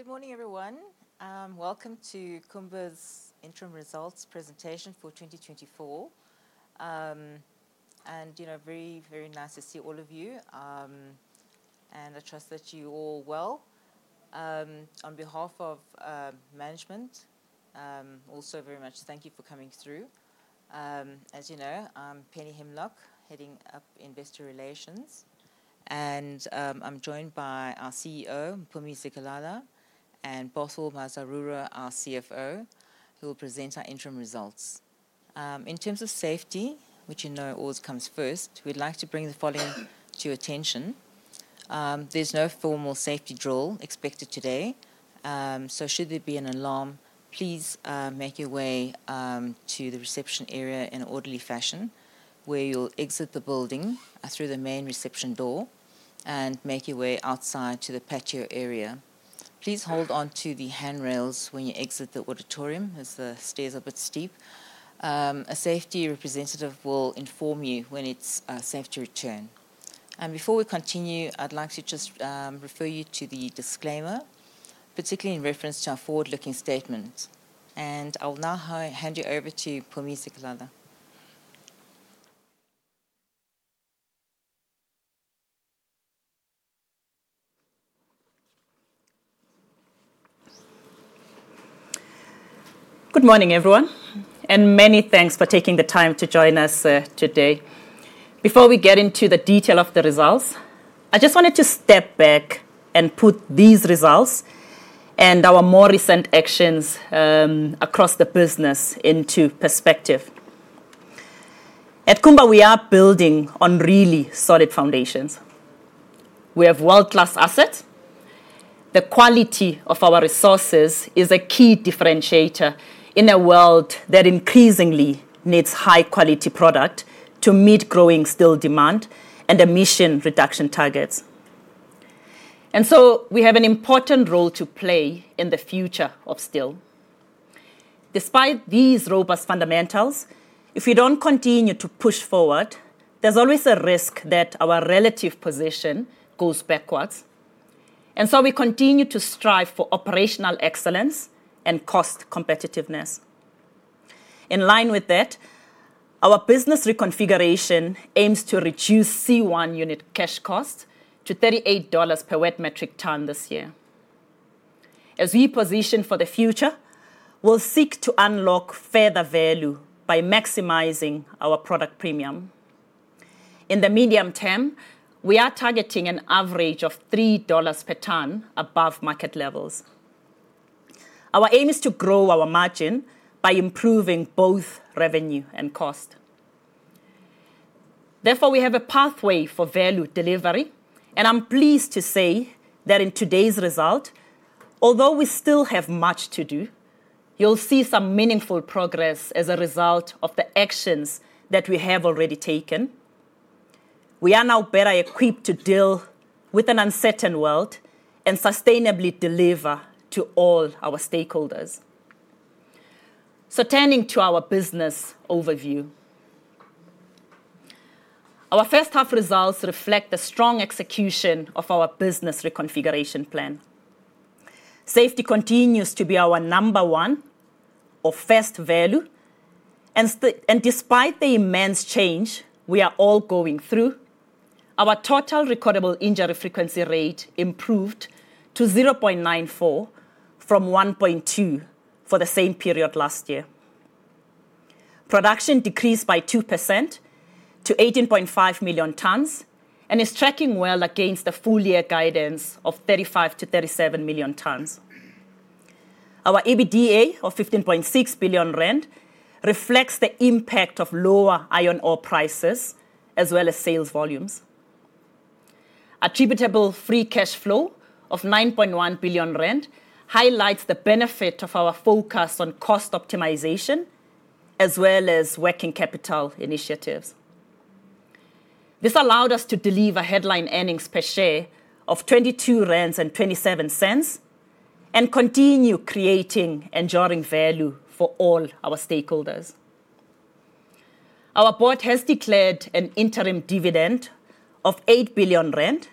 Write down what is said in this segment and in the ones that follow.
Good morning, everyone. Welcome to Kumba's interim results presentation for 2024. You know, very, very nice to see all of you. I trust that you're all well. On behalf of management, also very much thank you for coming through. As you know, I'm Penny Himel, heading up investor relations. I'm joined by our CEO, Mpumi Zikalala, and Bothwell Mazarura, our CFO, who will present our interim results. In terms of safety, which you know always comes first, we'd like to bring the following to your attention. There's no formal safety drill expected today. So should there be an alarm, please make your way to the reception area in an orderly fashion, where you'll exit the building through the main reception door and make your way outside to the patio area. Please hold on to the handrails when you exit the auditorium as the stairs are a bit steep. A safety representative will inform you when it's safe to return. Before we continue, I'd like to just refer you to the disclaimer, particularly in reference to our forward-looking statement. I will now hand you over to Mpumi Zikalala. Good morning, everyone. Many thanks for taking the time to join us today. Before we get into the detail of the results, I just wanted to step back and put these results and our more recent actions across the business into perspective. At Kumba, we are building on really solid foundations. We have world-class assets. The quality of our resources is a key differentiator in a world that increasingly needs high-quality product to meet growing steel demand and emission reduction targets. And so we have an important role to play in the future of steel. Despite these robust fundamentals, if we don't continue to push forward, there's always a risk that our relative position goes backwards. And so we continue to strive for operational excellence and cost competitiveness. In line with that, our business reconfiguration aims to reduce C1 unit cash cost to $38 per wet metric ton this year. As we position for the future, we'll seek to unlock further value by maximizing our product premium. In the medium term, we are targeting an average of $3 per ton above market levels. Our aim is to grow our margin by improving both revenue and cost. Therefore, we have a pathway for value delivery. I'm pleased to say that in today's result, although we still have much to do, you'll see some meaningful progress as a result of the actions that we have already taken. We are now better equipped to deal with an uncertain world and sustainably deliver to all our stakeholders. Turning to our business overview, our first-half results reflect the strong execution of our business reconfiguration plan. Safety continues to be our number one or first value. Despite the immense change we are all going through, our total recordable injury frequency rate improved to 0.94 from 1.2 for the same period last year. Production decreased by 2% to 18.5 million tons and is tracking well against the full-year guidance of 35-37 million tons. Our EBITDA of 15.6 billion rand reflects the impact of lower iron ore prices as well as sales volumes. Attributable free cash flow of 9.1 billion rand highlights the benefit of our focus on cost optimization as well as working capital initiatives. This allowed us to deliver headline earnings per share of 22.27 rand and continue creating enduring value for all our stakeholders. Our board has declared an interim dividend of 8 billion rand,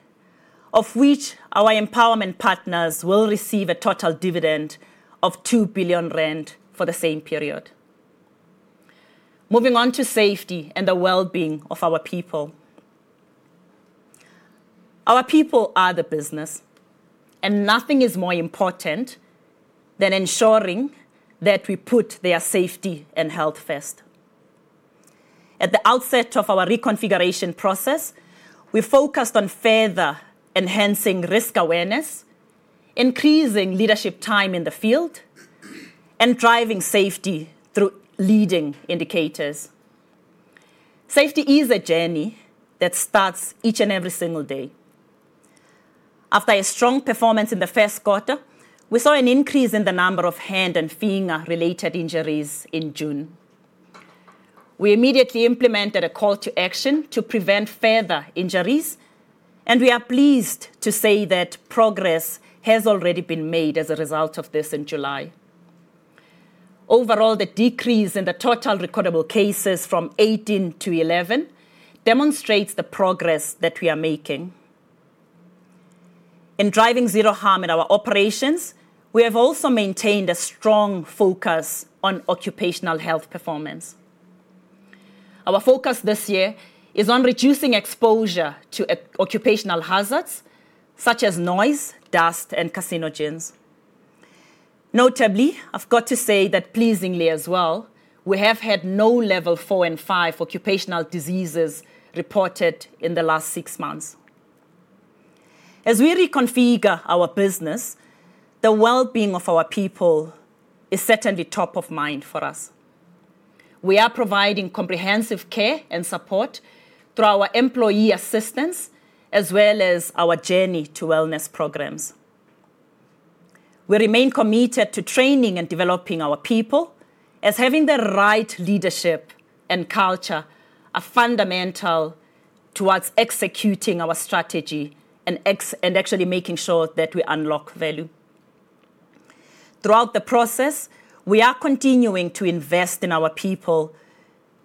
of which our empowerment partners will receive a total dividend of 2 billion rand for the same period. Moving on to safety and the well-being of our people. Our people are the business, and nothing is more important than ensuring that we put their safety and health first. At the outset of our reconfiguration process, we focused on further enhancing risk awareness, increasing leadership time in the field, and driving safety through leading indicators. Safety is a journey that starts each and every single day. After a strong performance in the first quarter, we saw an increase in the number of hand and finger-related injuries in June. We immediately implemented a call to action to prevent further injuries, and we are pleased to say that progress has already been made as a result of this in July. Overall, the decrease in the total recordable cases from 18 to 11 demonstrates the progress that we are making. In driving zero harm in our operations, we have also maintained a strong focus on occupational health performance. Our focus this year is on reducing exposure to occupational hazards such as noise, dust, and carcinogens. Notably, I've got to say that pleasingly as well, we have had no level 4 and 5 occupational diseases reported in the last 6 months. As we reconfigure our business, the well-being of our people is certainly top of mind for us. We are providing comprehensive care and support through our employee assistance as well as our journey to wellness programs. We remain committed to training and developing our people as having the right leadership and culture are fundamental towards executing our strategy and actually making sure that we unlock value. Throughout the process, we are continuing to invest in our people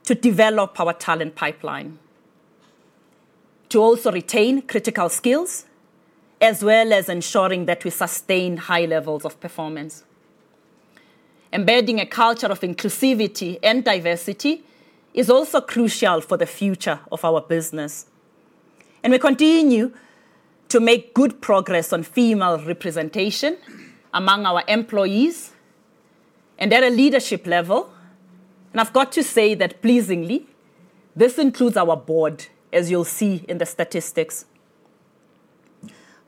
to develop our talent pipeline, to also retain critical skills, as well as ensuring that we sustain high levels of performance. Embedding a culture of inclusivity and diversity is also crucial for the future of our business. We continue to make good progress on female representation among our employees and at a leadership level. I've got to say that pleasingly, this includes our board, as you'll see in the statistics.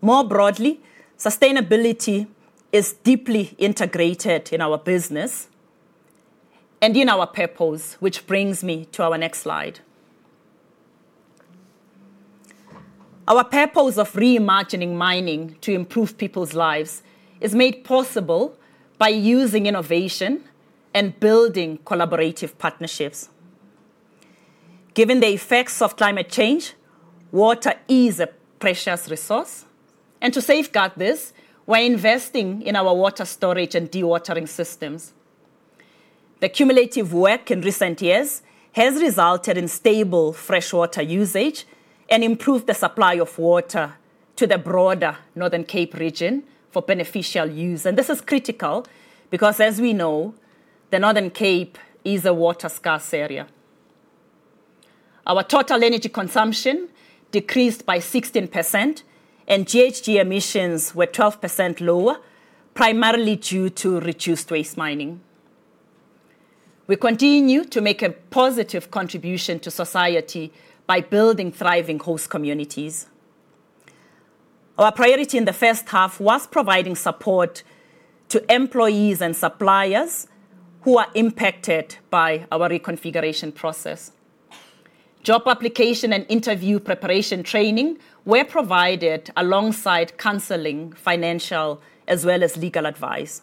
More broadly, sustainability is deeply integrated in our business and in our purpose, which brings me to our next slide. Our purpose of reimagining mining to improve people's lives is made possible by using innovation and building collaborative partnerships. Given the effects of climate change, water is a precious resource. To safeguard this, we're investing in our water storage and dewatering systems. The cumulative work in recent years has resulted in stable freshwater usage and improved the supply of water to the broader Northern Cape region for beneficial use. This is critical because, as we know, the Northern Cape is a water-scarce area. Our total energy consumption decreased by 16%, and GHG emissions were 12% lower, primarily due to reduced waste mining. We continue to make a positive contribution to society by building thriving host communities. Our priority in the first half was providing support to employees and suppliers who are impacted by our reconfiguration process. Job application and interview preparation training were provided alongside counseling, financial, as well as legal advice.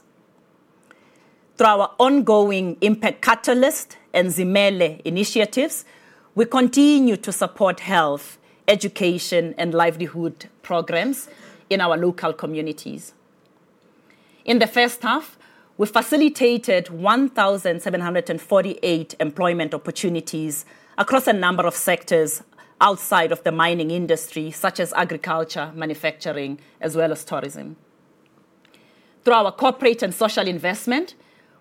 Through our ongoing impact catalyst and Zimele initiatives, we continue to support health, education, and livelihood programs in our local communities. In the first half, we facilitated 1,748 employment opportunities across a number of sectors outside of the mining industry, such as agriculture, manufacturing, as well as tourism. Through our corporate and social investment,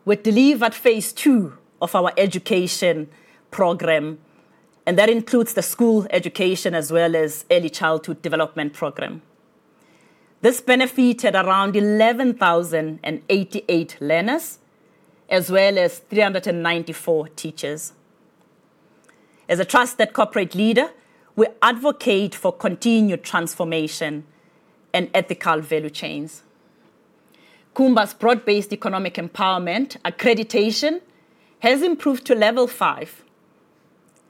we delivered phase two of our education program, and that includes the school education as well as early childhood development program. This benefited around 11,088 learners, as well as 394 teachers. As a trusted corporate leader, we advocate for continued transformation and ethical value chains. Kumba's broad-based economic empowerment accreditation has improved to level five.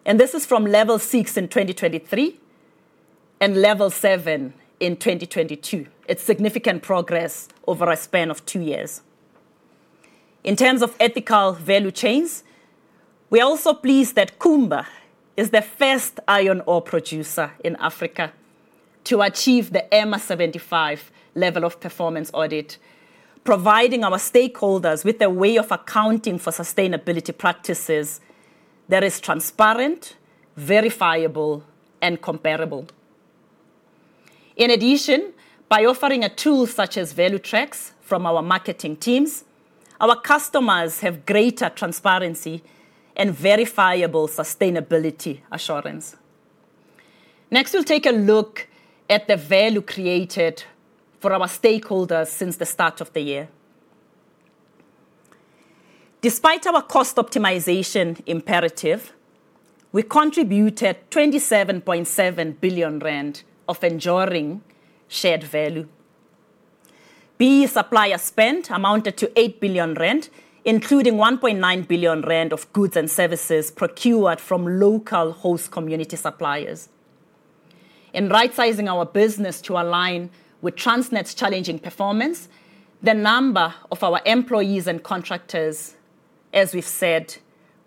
This is from level six in 2023 and level seven in 2022. It's significant progress over a span of two years. In terms of ethical value chains, we are also pleased that Kumba is the first iron ore producer in Africa to achieve the IRMA 75 level of performance audit, providing our stakeholders with a way of accounting for sustainability practices that is transparent, verifiable, and comparable. In addition, by offering a tool such as ValueTrack from our marketing teams, our customers have greater transparency and verifiable sustainability assurance. Next, we'll take a look at the value created for our stakeholders since the start of the year. Despite our cost optimization imperative, we contributed 27.7 billion rand of enduring shared value. BEE supplier spend amounted to 8 billion rand, including 1.9 billion rand of goods and services procured from local host community suppliers. In right-sizing our business to align with Transnet's challenging performance, the number of our employees and contractors, as we've said,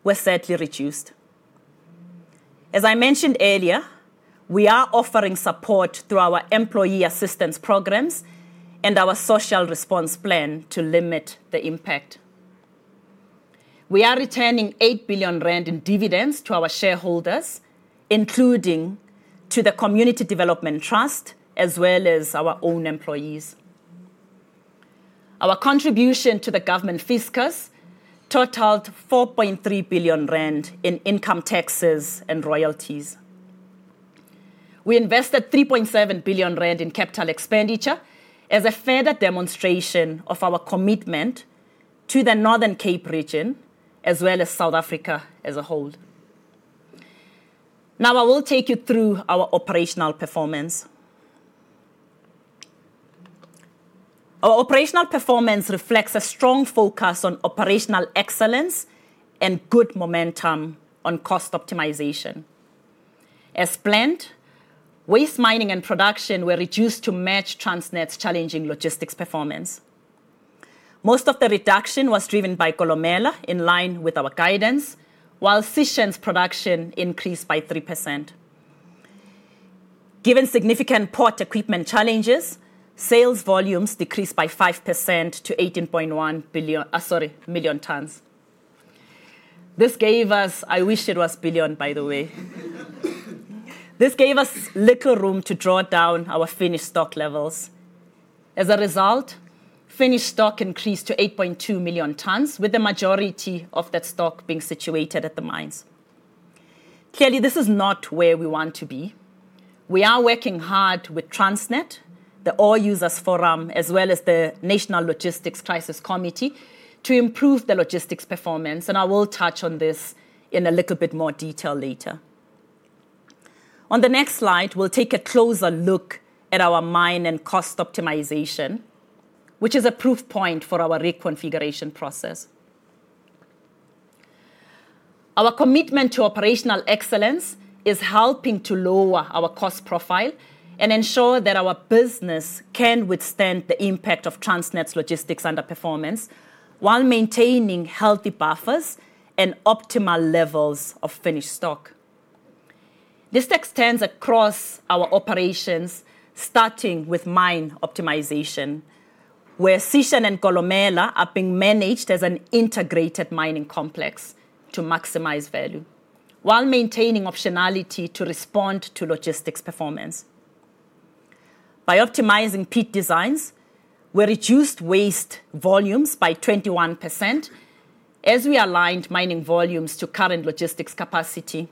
were certainly reduced. As I mentioned earlier, we are offering support through our employee assistance programs and our social response plan to limit the impact. We are returning 8 billion rand in dividends to our shareholders, including to the Community Development Trust, as well as our own employees. Our contribution to the government fiscus totaled 4.3 billion rand in income taxes and royalties. We invested 3.7 billion rand in capital expenditure as a further demonstration of our commitment to the Northern Cape region, as well as South Africa as a whole. Now, I will take you through our operational performance. Our operational performance reflects a strong focus on operational excellence and good momentum on cost optimization. As planned, waste mining and production were reduced to match Transnet's challenging logistics performance. Most of the reduction was driven by Kolomela in line with our guidance, while Sishen's production increased by 3%. Given significant port equipment challenges, sales volumes decreased by 5% to 18.1 million tons. This gave us, I wish it was billion, by the way. This gave us little room to draw down our finished stock levels. As a result, finished stock increased to 8.2 million tons, with the majority of that stock being situated at the mines. Clearly, this is not where we want to be. We are working hard with Transnet, the All Users Forum, as well as the National Logistics Crisis Committee to improve the logistics performance. I will touch on this in a little bit more detail later. On the next slide, we'll take a closer look at our mine and cost optimization, which is a proof point for our reconfiguration process. Our commitment to operational excellence is helping to lower our cost profile and ensure that our business can withstand the impact of Transnet's logistics underperformance while maintaining healthy buffers and optimal levels of finished stock. This extends across our operations, starting with mine optimization, where Sishen and Kolomela are being managed as an integrated mining complex to maximize value, while maintaining optionality to respond to logistics performance. By optimizing pit designs, we reduced waste volumes by 21% as we aligned mining volumes to current logistics capacity.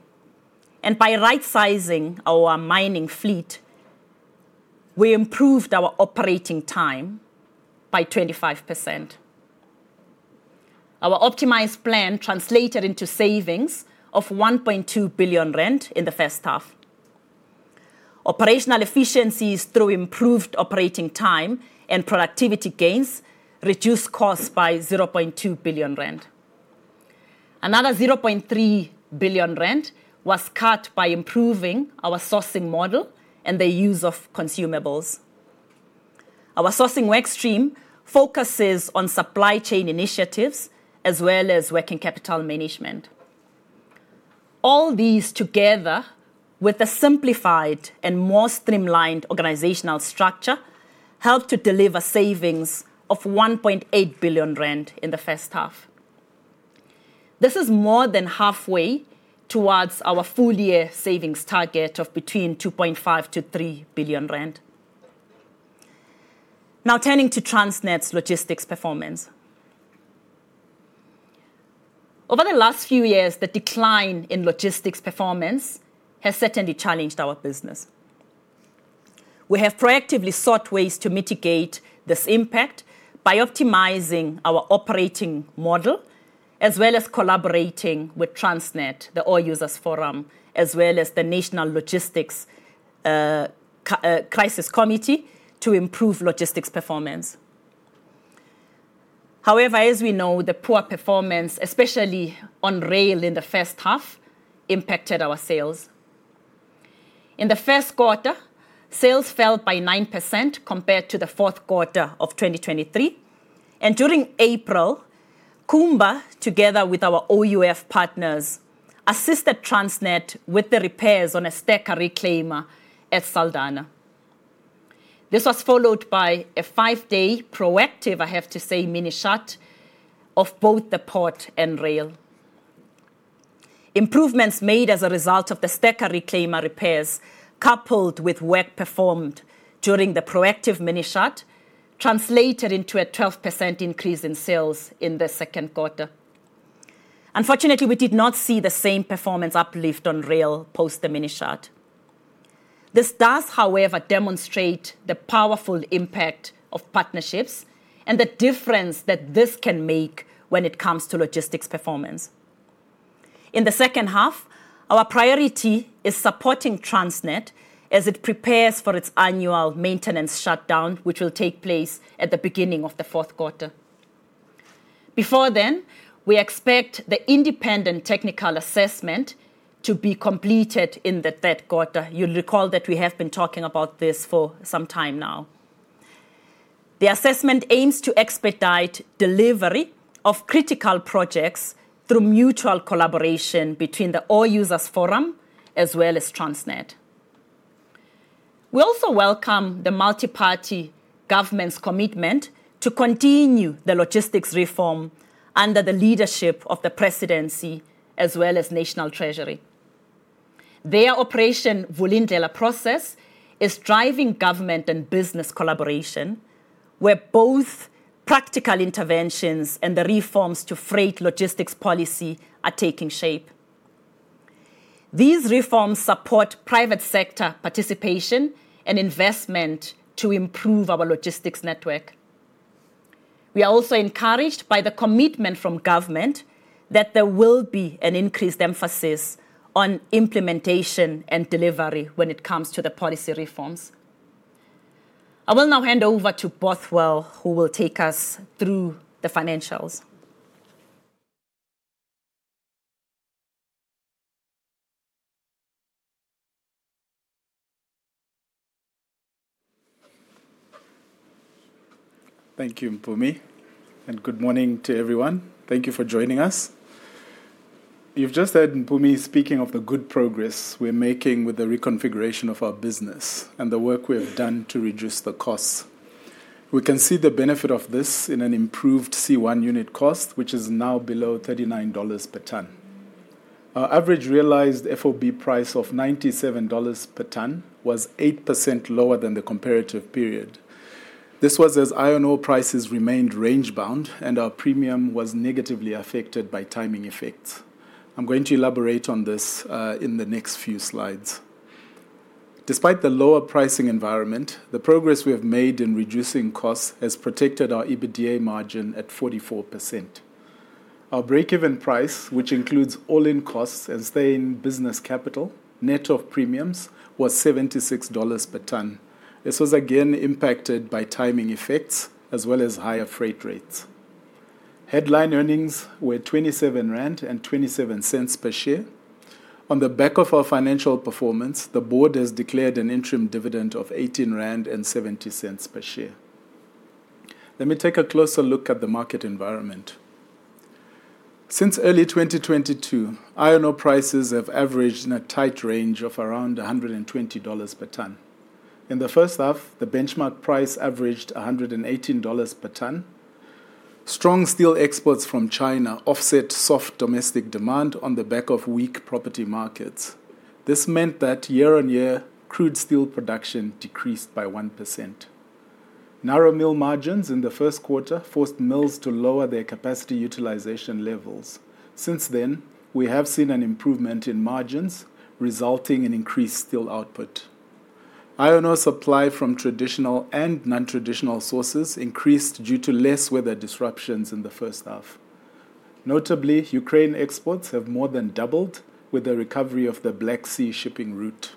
By right-sizing our mining fleet, we improved our operating time by 25%. Our optimized plan translated into savings of 1.2 billion rand in the first half. Operational efficiencies through improved operating time and productivity gains reduced costs by 0.2 billion rand. Another 0.3 billion rand was cut by improving our sourcing model and the use of consumables. Our sourcing workstream focuses on supply chain initiatives as well as working capital management. All these together, with a simplified and more streamlined organizational structure, helped to deliver savings of 1.8 billion rand in the first half. This is more than halfway towards our full year savings target of between 2.5 billion to 3 billion rand. Now, turning to Transnet's logistics performance. Over the last few years, the decline in logistics performance has certainly challenged our business. We have proactively sought ways to mitigate this impact by optimizing our operating model as well as collaborating with Transnet, the All Users Forum, as well as the National Logistics Crisis Committee to improve logistics performance. However, as we know, the poor performance, especially on rail in the first half, impacted our sales. In the first quarter, sales fell by 9% compared to the fourth quarter of 2023. During April, Kumba, together with our AUF partners, assisted Transnet with the repairs on a stacker reclaimer at Saldanha. This was followed by a five-day proactive, I have to say, mini shut of both the port and rail. Improvements made as a result of the stacker reclaimer repairs, coupled with work performed during the proactive mini shut, translated into a 12% increase in sales in the second quarter. Unfortunately, we did not see the same performance uplift on rail post the mini shut. This does, however, demonstrate the powerful impact of partnerships and the difference that this can make when it comes to logistics performance. In the second half, our priority is supporting Transnet as it prepares for its annual maintenance shutdown, which will take place at the beginning of the fourth quarter. Before then, we expect the independent technical assessment to be completed in the third quarter. You'll recall that we have been talking about this for some time now. The assessment aims to expedite delivery of critical projects through mutual collaboration between the All Users Forum as well as Transnet. We also welcome the multi-party government's commitment to continue the logistics reform under the leadership of the presidency as well as National Treasury. Their Operation Vulindlela process is driving government and business collaboration, where both practical interventions and the reforms to freight logistics policy are taking shape. These reforms support private sector participation and investment to improve our logistics network. We are also encouraged by the commitment from government that there will be an increased emphasis on implementation and delivery when it comes to the policy reforms. I will now hand over to Bothwell, who will take us through the financials. Thank you, Mpumi. Good morning to everyone. Thank you for joining us. You've just heard Mpumi speaking of the good progress we're making with the reconfiguration of our business and the work we have done to reduce the costs. We can see the benefit of this in an improved C1 unit cost, which is now below $39 per ton. Our average realized FOB price of $97 per ton was 8% lower than the comparative period. This was as iron ore prices remained range-bound and our premium was negatively affected by timing effects. I'm going to elaborate on this in the next few slides. Despite the lower pricing environment, the progress we have made in reducing costs has protected our EBITDA margin at 44%. Our break-even price, which includes all-in costs and sustaining business capital, net of premiums, was $76 per ton. This was again impacted by timing effects as well as higher freight rates. Headline earnings were 27.27 rand per share. On the back of our financial performance, the board has declared an interim dividend of 18.70 rand per share. Let me take a closer look at the market environment. Since early 2022, iron ore prices have averaged in a tight range of around $120 per ton. In the first half, the benchmark price averaged $118 per ton. Strong steel exports from China offset soft domestic demand on the back of weak property markets. This meant that year-on-year crude steel production decreased by 1%. Narrow mill margins in the first quarter forced mills to lower their capacity utilization levels. Since then, we have seen an improvement in margins, resulting in increased steel output. Iron ore supply from traditional and non-traditional sources increased due to less weather disruptions in the first half. Notably, Ukraine exports have more than doubled with the recovery of the Black Sea shipping route.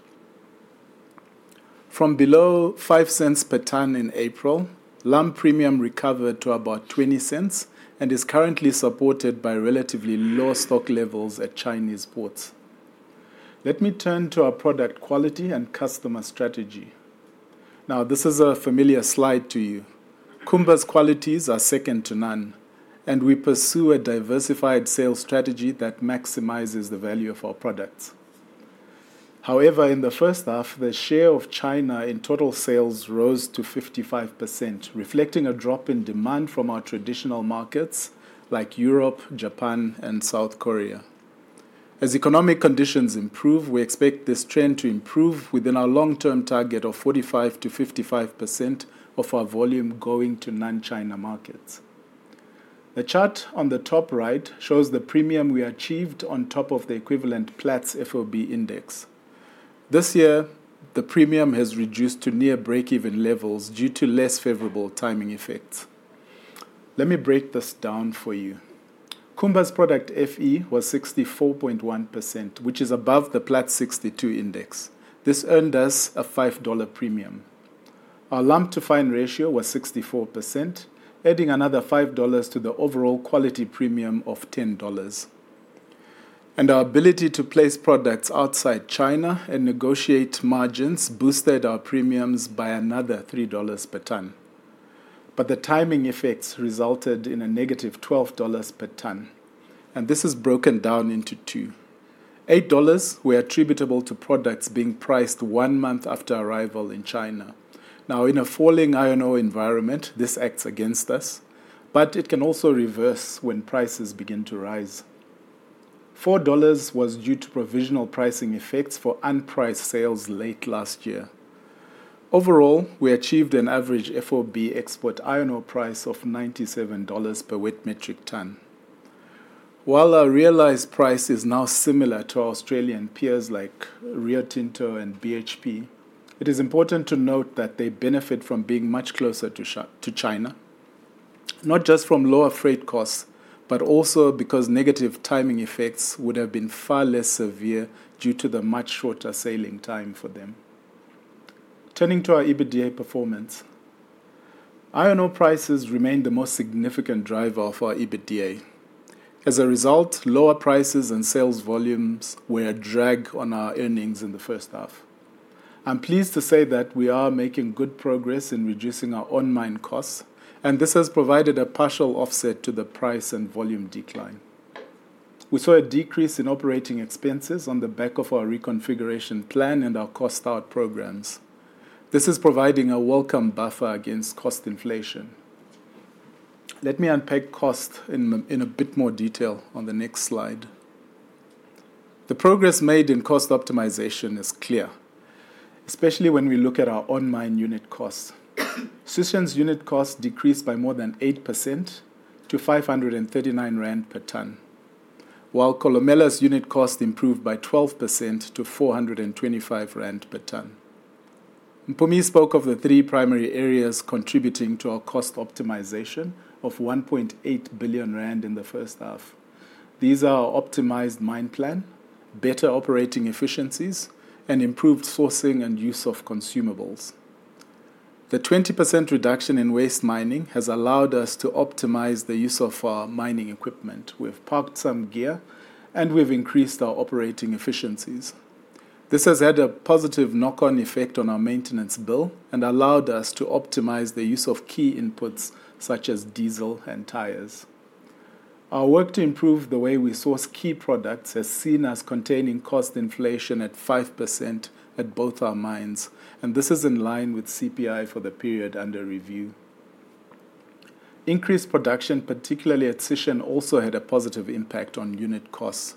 From below $0.05/ton in April, lump premium recovered to about $0.20 and is currently supported by relatively low stock levels at Chinese ports. Let me turn to our product quality and customer strategy. Now, this is a familiar slide to you. Kumba's qualities are second to none, and we pursue a diversified sales strategy that maximizes the value of our products. However, in the first half, the share of China in total sales rose to 55%, reflecting a drop in demand from our traditional markets like Europe, Japan, and South Korea. As economic conditions improve, we expect this trend to improve within our long-term target of 45%-55% of our volume going to non-China markets. The chart on the top right shows the premium we achieved on top of the equivalent Platts FOB index. This year, the premium has reduced to near break-even levels due to less favorable timing effects. Let me break this down for you. Kumba's product FE was 64.1%, which is above the Platts 62 index. This earned us a $5 premium. Our lump-to-fine ratio was 64%, adding another $5 to the overall quality premium of $10. And our ability to place products outside China and negotiate margins boosted our premiums by another $3 per ton. But the timing effects resulted in a negative $12 per ton. And this is broken down into two. $8 were attributable to products being priced one month after arrival in China. Now, in a falling iron ore environment, this acts against us, but it can also reverse when prices begin to rise. $4 was due to provisional pricing effects for unpriced sales late last year. Overall, we achieved an average FOB export iron ore price of $97 per wet metric ton. While our realized price is now similar to Australian peers like Rio Tinto and BHP, it is important to note that they benefit from being much closer to China, not just from lower freight costs, but also because negative timing effects would have been far less severe due to the much shorter sailing time for them. Turning to our EBITDA performance, iron ore prices remain the most significant driver of our EBITDA. As a result, lower prices and sales volumes were a drag on our earnings in the first half. I'm pleased to say that we are making good progress in reducing our unit costs, and this has provided a partial offset to the price and volume decline. We saw a decrease in operating expenses on the back of our reconfiguration plan and our cost out programs. This is providing a welcome buffer against cost inflation. Let me unpack cost in a bit more detail on the next slide. The progress made in cost optimization is clear, especially when we look at our unit costs. Sishen's unit costs decreased by more than 8% to 539 rand per ton, while Kolomela's unit costs improved by 12% to 425 rand per ton. Mpumi spoke of the three primary areas contributing to our cost optimization of 1.8 billion rand in the first half. These are optimized mine plan, better operating efficiencies, and improved sourcing and use of consumables. The 20% reduction in waste mining has allowed us to optimize the use of our mining equipment. We've parked some gear, and we've increased our operating efficiencies. This has had a positive knock-on effect on our maintenance bill and allowed us to optimize the use of key inputs such as diesel and tires. Our work to improve the way we source key products has seen us containing cost inflation at 5% at both our mines, and this is in line with CPI for the period under review. Increased production, particularly at Sishen, also had a positive impact on unit costs.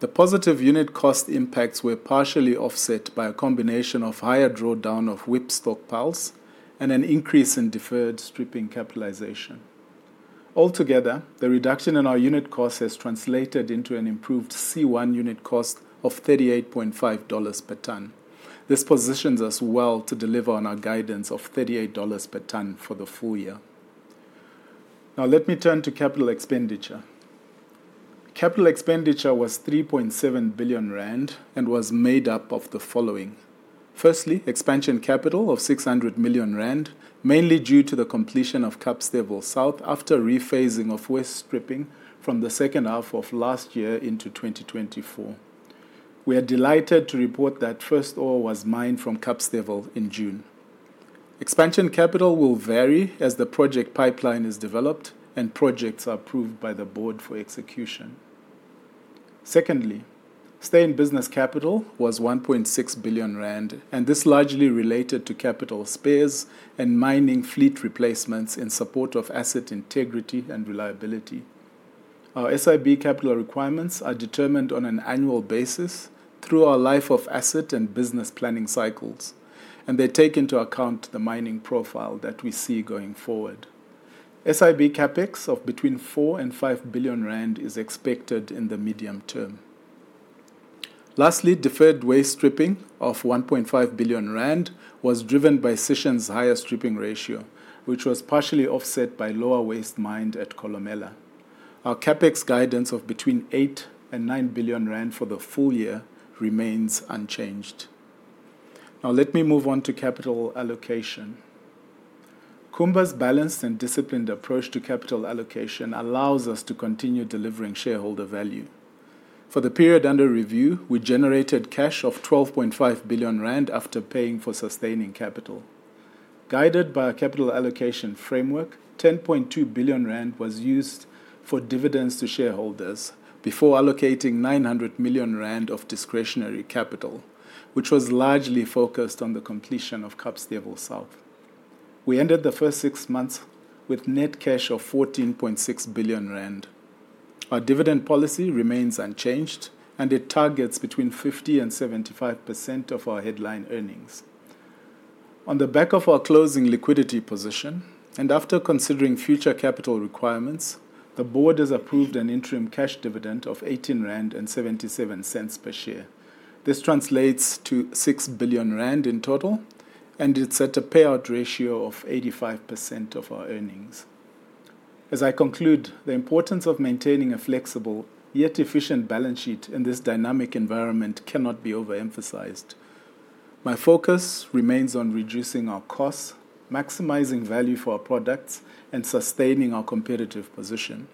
The positive unit cost impacts were partially offset by a combination of higher drawdown of WIP stockpiles and an increase in deferred stripping capitalization. Altogether, the reduction in our unit costs has translated into an improved C1 unit cost of $38.5 per ton. This positions us well to deliver on our guidance of $38 per ton for the full year. Now, let me turn to capital expenditure. Capital expenditure was 3.7 billion rand and was made up of the following. Firstly, expansion capital of 600 million rand, mainly due to the completion of Kapstevel South after rephasing of waste stripping from the second half of last year into 2024. We are delighted to report that first ore was mined from Kapstevel in June. Expansion capital will vary as the project pipeline is developed and projects are approved by the board for execution. Secondly, sustaining business capital was 1.6 billion rand, and this largely related to capital spares and mining fleet replacements in support of asset integrity and reliability. Our SIB capital requirements are determined on an annual basis through our life of asset and business planning cycles, and they take into account the mining profile that we see going forward. SIB CapEx of 4 billion-5 billion rand is expected in the medium term. Lastly, deferred waste stripping of 1.5 billion rand was driven by Sishen's higher stripping ratio, which was partially offset by lower waste mined at Kolomela. Our CapEx guidance of 8 billion-9 billion rand for the full year remains unchanged. Now, let me move on to capital allocation. Kumba's balanced and disciplined approach to capital allocation allows us to continue delivering shareholder value. For the period under review, we generated cash of 12.5 billion rand after paying for sustaining capital. Guided by a capital allocation framework, 10.2 billion rand was used for dividends to shareholders before allocating 900 million rand of discretionary capital, which was largely focused on the completion of Kapstevel South. We ended the first six months with net cash of 14.6 billion rand. Our dividend policy remains unchanged, and it targets between 50% and 75% of our headline earnings. On the back of our closing liquidity position and after considering future capital requirements, the board has approved an interim cash dividend of 18.77 rand per share. This translates to 6 billion rand in total, and it's at a payout ratio of 85% of our earnings. As I conclude, the importance of maintaining a flexible yet efficient balance sheet in this dynamic environment cannot be overemphasized. My focus remains on reducing our costs, maximizing value for our products, and sustaining our competitive position.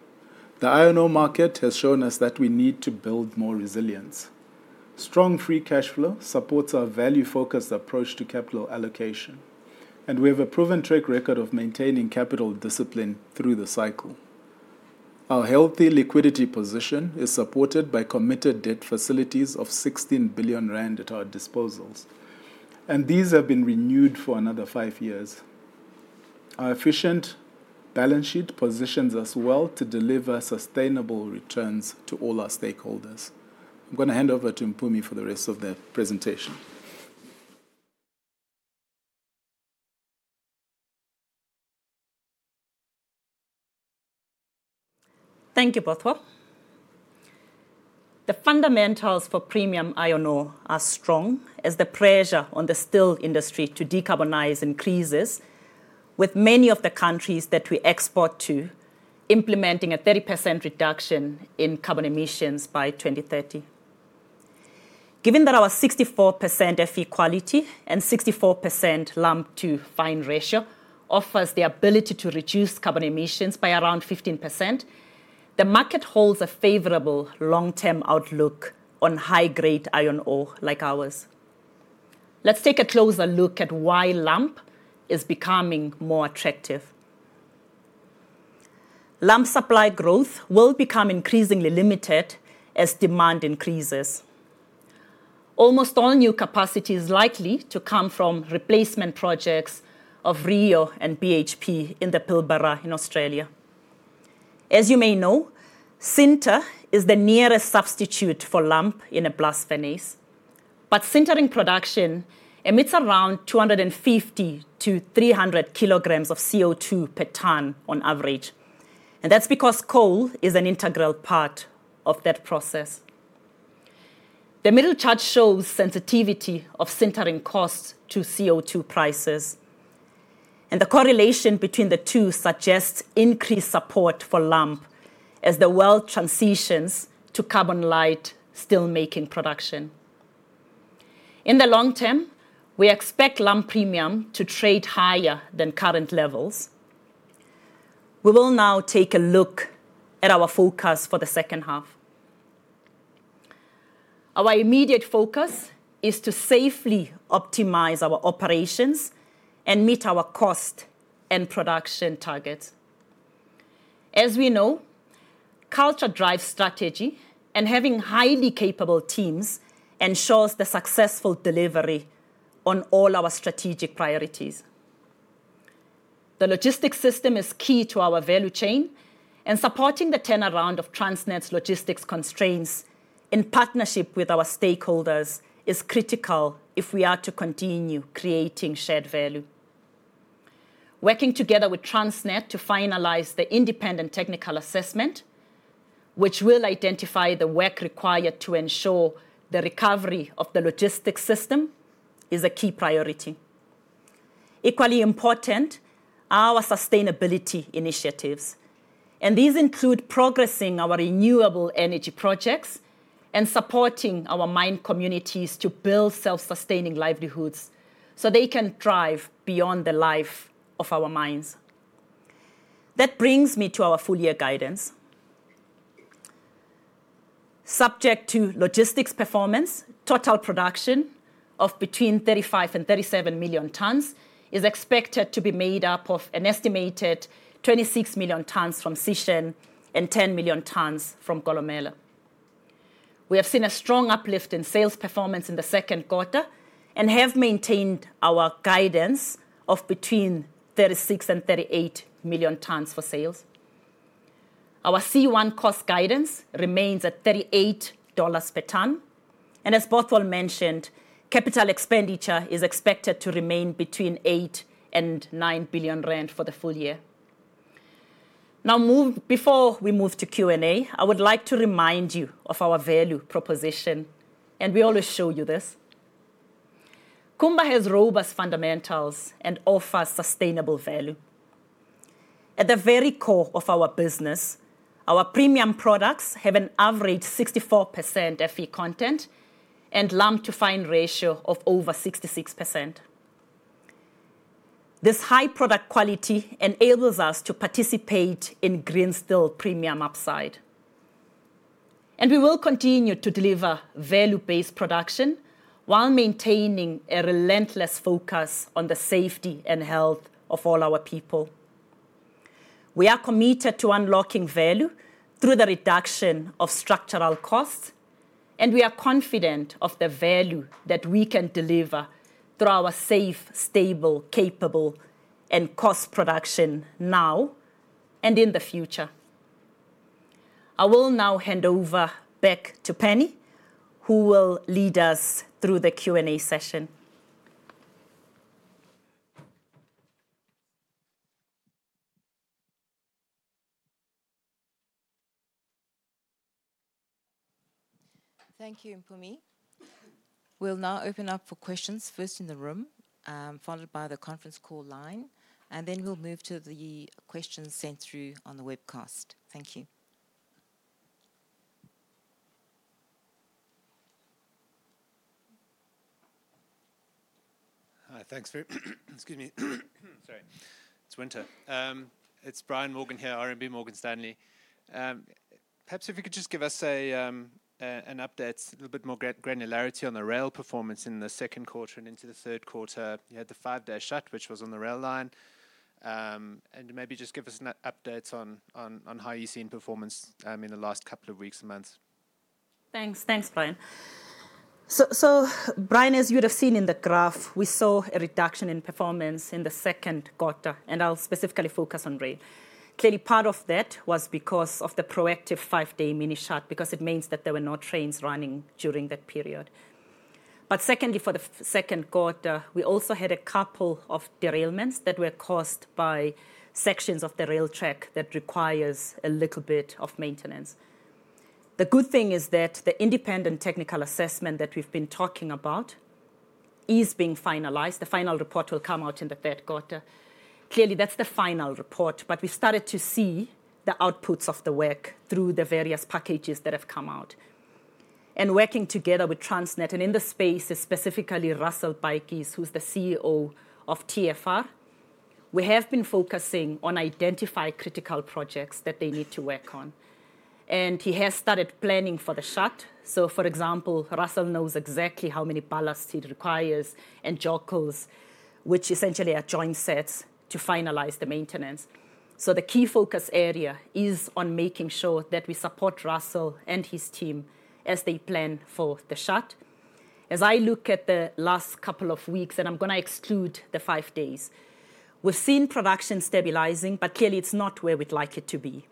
The iron ore market has shown us that we need to build more resilience. Strong free cash flow supports our value-focused approach to capital allocation, and we have a proven track record of maintaining capital discipline through the cycle. Our healthy liquidity position is supported by committed debt facilities of 16 billion rand at our disposals, and these have been renewed for another five years. Our efficient balance sheet positions us well to deliver sustainable returns to all our stakeholders. I'm going to hand over to Mpumi for the rest of the presentation. Thank you, Bothwell. The fundamentals for premium iron ore are strong as the pressure on the steel industry to decarbonize increases, with many of the countries that we export to implementing a 30% reduction in carbon emissions by 2030. Given that our 64% Fe quality and 64% lump-to-fines ratio offers the ability to reduce carbon emissions by around 15%, the market holds a favorable long-term outlook on high-grade iron ore like ours. Let's take a closer look at why lump is becoming more attractive. Lump supply growth will become increasingly limited as demand increases. Almost all new capacity is likely to come from replacement projects of Rio and BHP in the Pilbara in Australia. As you may know, sinter is the nearest substitute for lump in a blast furnace, but sintering production emits around 250-300 kilograms of CO₂ per ton on average, and that's because coal is an integral part of that process. The middle chart shows sensitivity of sintering costs to CO₂ prices, and the correlation between the two suggests increased support for lump as the world transitions to carbon-light steelmaking production. In the long term, we expect lump premium to trade higher than current levels. We will now take a look at our focus for the second half. Our immediate focus is to safely optimize our operations and meet our cost and production targets. As we know, culture drives strategy, and having highly capable teams ensures the successful delivery on all our strategic priorities. The logistics system is key to our value chain, and supporting the turnaround of Transnet's logistics constraints in partnership with our stakeholders is critical if we are to continue creating shared value. Working together with Transnet to finalize the independent technical assessment, which will identify the work required to ensure the recovery of the logistics system, is a key priority. Equally important, our sustainability initiatives, and these include progressing our renewable energy projects and supporting our mine communities to build self-sustaining livelihoods so they can thrive beyond the life of our mines. That brings me to our full year guidance. Subject to logistics performance, total production of between 35-37 million tons is expected to be made up of an estimated 26 million tons from Sishen and 10 million tons from Kolomela. We have seen a strong uplift in sales performance in the second quarter and have maintained our guidance of between 36 and 38 million tons for sales. Our C1 cost guidance remains at $38 per ton, and as Bothwell mentioned, capital expenditure is expected to remain between 8 billion and 9 billion rand for the full year. Now, before we move to Q&A, I would like to remind you of our value proposition, and we always show you this. Kumba has robust fundamentals and offers sustainable value. At the very core of our business, our premium products have an average 64% Fe content and lump-to-fines ratio of over 66%. This high product quality enables us to participate in green steel premium upside, and we will continue to deliver value-based production while maintaining a relentless focus on the safety and health of all our people. We are committed to unlocking value through the reduction of structural costs, and we are confident of the value that we can deliver through our safe, stable, capable, and cost production now and in the future. I will now hand over back to Penny, who will lead us through the Q&A session. Thank you, Mpumi. We'll now open up for questions first in the room, followed by the conference call line, and then we'll move to the questions sent through on the webcast. Thank you. Hi, thanks. Excuse me. Sorry, it's winter. It's Brian Morgan here, RMB Morgan Stanley. Perhaps if you could just give us an update, a little bit more granularity on the rail performance in the second quarter and into the third quarter. You had the 5-day shut, which was on the rail line, and maybe just give us an update on how you've seen performance in the last couple of weeks and months. Thanks. Thanks, Brian. So, Brian, as you would have seen in the graph, we saw a reduction in performance in the second quarter, and I'll specifically focus on rail. Clearly, part of that was because of the proactive 5-day mini shut, because it means that there were no trains running during that period. But secondly, for the second quarter, we also had a couple of derailments that were caused by sections of the rail track that require a little bit of maintenance. The good thing is that the independent technical assessment that we've been talking about is being finalized. The final report will come out in the third quarter. Clearly, that's the final report, but we started to see the outputs of the work through the various packages that have come out. Working together with Transnet and in the space, specifically Russell Baatjies, who's the CEO of TFR, we have been focusing on identifying critical projects that they need to work on, and he has started planning for the shutdown. So, for example, Russell knows exactly how many ballasts he requires and joggles, which essentially are joint sets to finalize the maintenance. So the key focus area is on making sure that we support Russell and his team as they plan for the shutdown. As I look at the last couple of weeks, and I'm going to exclude the five days, we've seen production stabilizing, but clearly, it's not where we'd like it to be.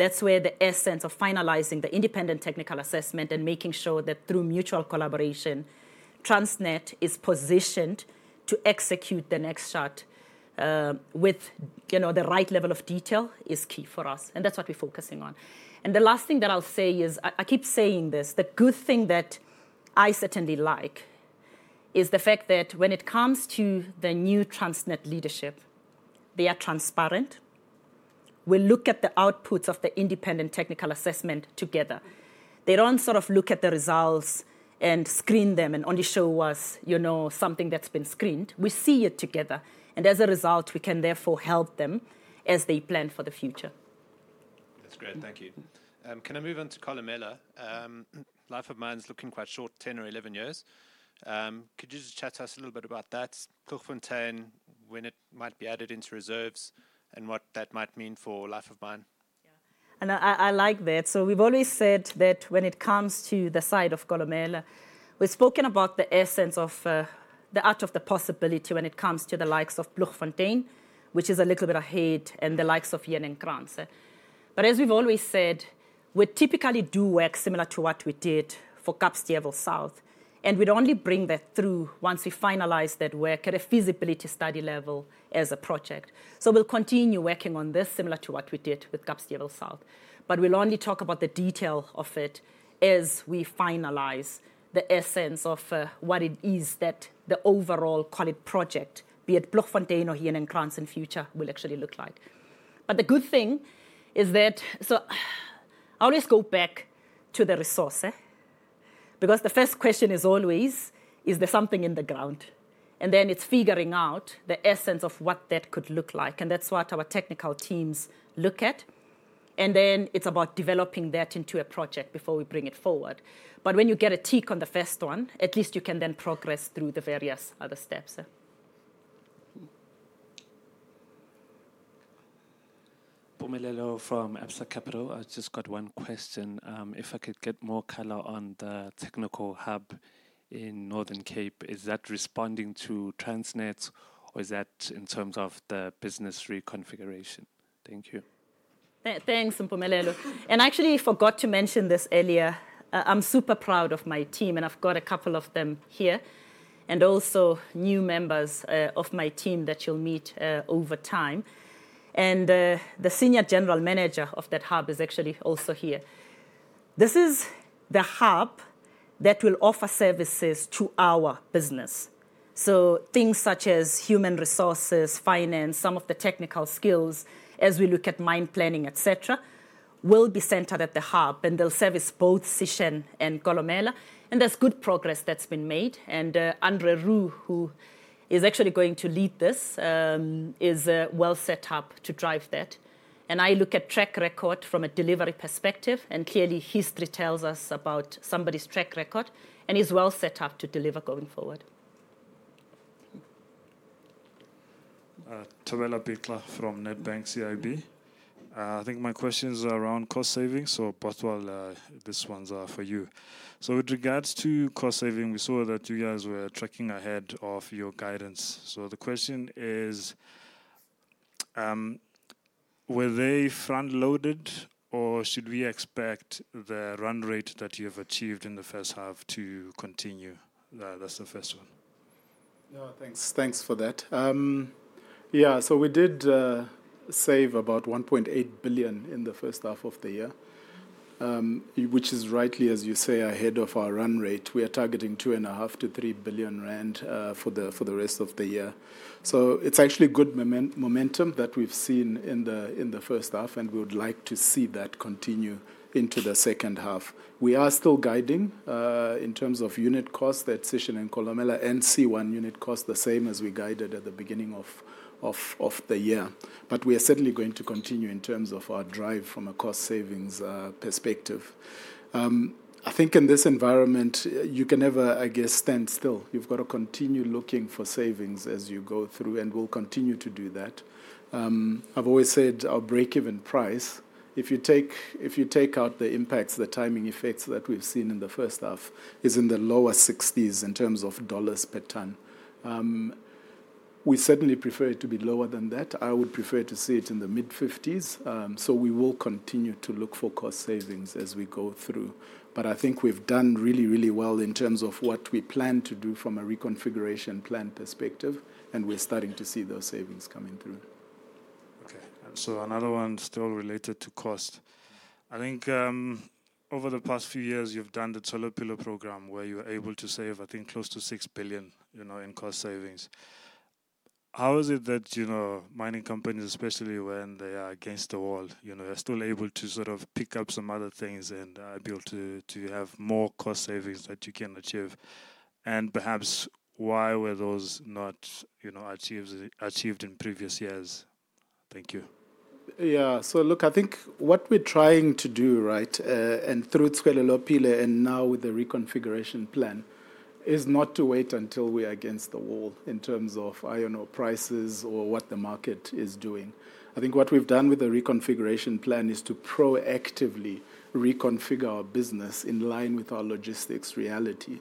That's where the essence of finalizing the independent technical assessment and making sure that through mutual collaboration, Transnet is positioned to execute the next shot with the right level of detail is key for us, and that's what we're focusing on. The last thing that I'll say is, I keep saying this, the good thing that I certainly like is the fact that when it comes to the new Transnet leadership, they are transparent. We look at the outputs of the independent technical assessment together. They don't sort of look at the results and screen them and only show us something that's been screened. We see it together, and as a result, we can therefore help them as they plan for the future. That's great. Thank you. Can I move on to Kolomela? Life of mine's looking quite short, 10 or 11 years. Could you just chat to us a little bit about that, Ploegfontein, when it might be added into reserves and what that might mean for life of mine? Yeah, and I like that. So we've always said that when it comes to the side of Kolomela, we've spoken about the essence of the art of the possibility when it comes to the likes of Ploegfontein, which is a little bit ahead, and the likes of Heuningkranz. But as we've always said, we typically do work similar to what we did for Kapstevel South, and we'd only bring that through once we finalize that work at a feasibility study level as a project. So we'll continue working on this similar to what we did with Kapstevel South, but we'll only talk about the detail of it as we finalize the essence of what it is that the overall project, be it Ploegfontein or Heuningkranz in future, will actually look like. But the good thing is that, so I always go back to the resource, because the first question is always, is there something in the ground? And then it's figuring out the essence of what that could look like, and that's what our technical teams look at. And then it's about developing that into a project before we bring it forward. But when you get a tick on the first one, at least you can then progress through the various other steps. Mpumelelo from Absa Capital, I just got one question. If I could get more color on the technical hub in Northern Cape, is that responding to Transnet or is that in terms of the business reconfiguration? Thank you. Thanks, Mpumi. And actually, I forgot to mention this earlier. I'm super proud of my team, and I've got a couple of them here, and also new members of my team that you'll meet over time. And the senior general manager of that hub is actually also here. This is the hub that will offer services to our business. So things such as human resources, finance, some of the technical skills as we look at mine planning, et cetera, will be centered at the hub, and they'll service both Sishen and Kolomela. And there's good progress that's been made, and Andre Roux, who is actually going to lead this, is well set up to drive that. And I look at track record from a delivery perspective, and clearly, history tells us about somebody's track record, and he's well set up to deliver going forward. Thlohelo Bhela from Nedbank CIB. I think my questions are around cost savings, so Bothwell, this one's for you. With regards to cost saving, we saw that you guys were tracking ahead of your guidance. The question is, were they front-loaded, or should we expect the run rate that you have achieved in the first half to continue? That's the first one. Yeah, thanks for that. Yeah, so we did save about 1.8 billion in the first half of the year, which is rightly, as you say, ahead of our run rate. We are targeting 2.5-3 billion rand for the rest of the year. So it's actually good momentum that we've seen in the first half, and we would like to see that continue into the second half. We are still guiding in terms of unit costs at Sishen and Kolomela, and C1 unit costs the same as we guided at the beginning of the year. But we are certainly going to continue in terms of our drive from a cost savings perspective. I think in this environment, you can never, I guess, stand still. You've got to continue looking for savings as you go through, and we'll continue to do that. I've always said our break-even price, if you take out the impacts, the timing effects that we've seen in the first half, is in the lower $60s per ton. We certainly prefer it to be lower than that. I would prefer to see it in the mid-$50s, so we will continue to look for cost savings as we go through. But I think we've done really, really well in terms of what we plan to do from a reconfiguration plan perspective, and we're starting to see those savings coming through. Okay, so another one still related to cost. I think over the past few years, you've done the Tswelelopele program where you were able to save, I think, close to 6 billion in cost savings. How is it that mining companies, especially when they are against the wall, are still able to sort of pick up some other things and be able to have more cost savings that you can achieve? And perhaps, why were those not achieved in previous years? Thank you. Yeah, so look, I think what we're trying to do, right, and through Tswelelopele and now with the reconfiguration plan, is not to wait until we are against the wall in terms of, I don't know, prices or what the market is doing. I think what we've done with the reconfiguration plan is to proactively reconfigure our business in line with our logistics reality.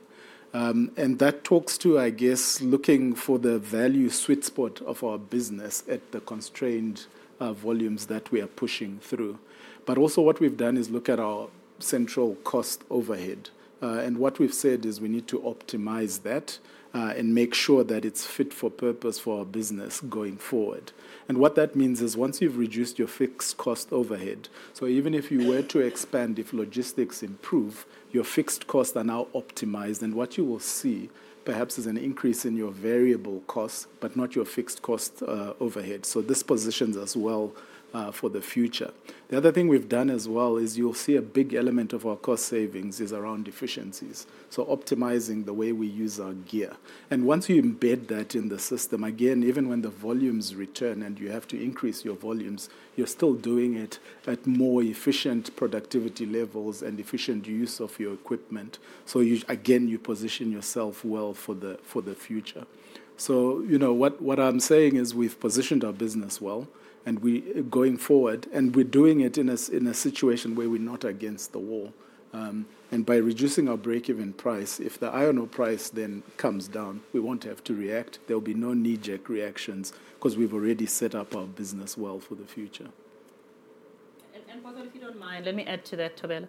And that talks to, I guess, looking for the value sweet spot of our business at the constrained volumes that we are pushing through. But also what we've done is look at our central cost overhead. And what we've said is we need to optimize that and make sure that it's fit for purpose for our business going forward. What that means is once you've reduced your fixed cost overhead, so even if you were to expand, if logistics improve, your fixed costs are now optimized. And what you will see perhaps is an increase in your variable costs, but not your fixed cost overhead. So this positions us well for the future. The other thing we've done as well is you'll see a big element of our cost savings is around efficiencies, so optimizing the way we use our gear. And once you embed that in the system, again, even when the volumes return and you have to increase your volumes, you're still doing it at more efficient productivity levels and efficient use of your equipment. So again, you position yourself well for the future. So what I'm saying is we've positioned our business well going forward, and we're doing it in a situation where we're not against the wall. And by reducing our break-even price, if the I don't know price then comes down, we won't have to react. There'll be no knee-jerk reactions because we've already set up our business well for the future. Bothwell, if you don't mind, let me add to that, Tawella.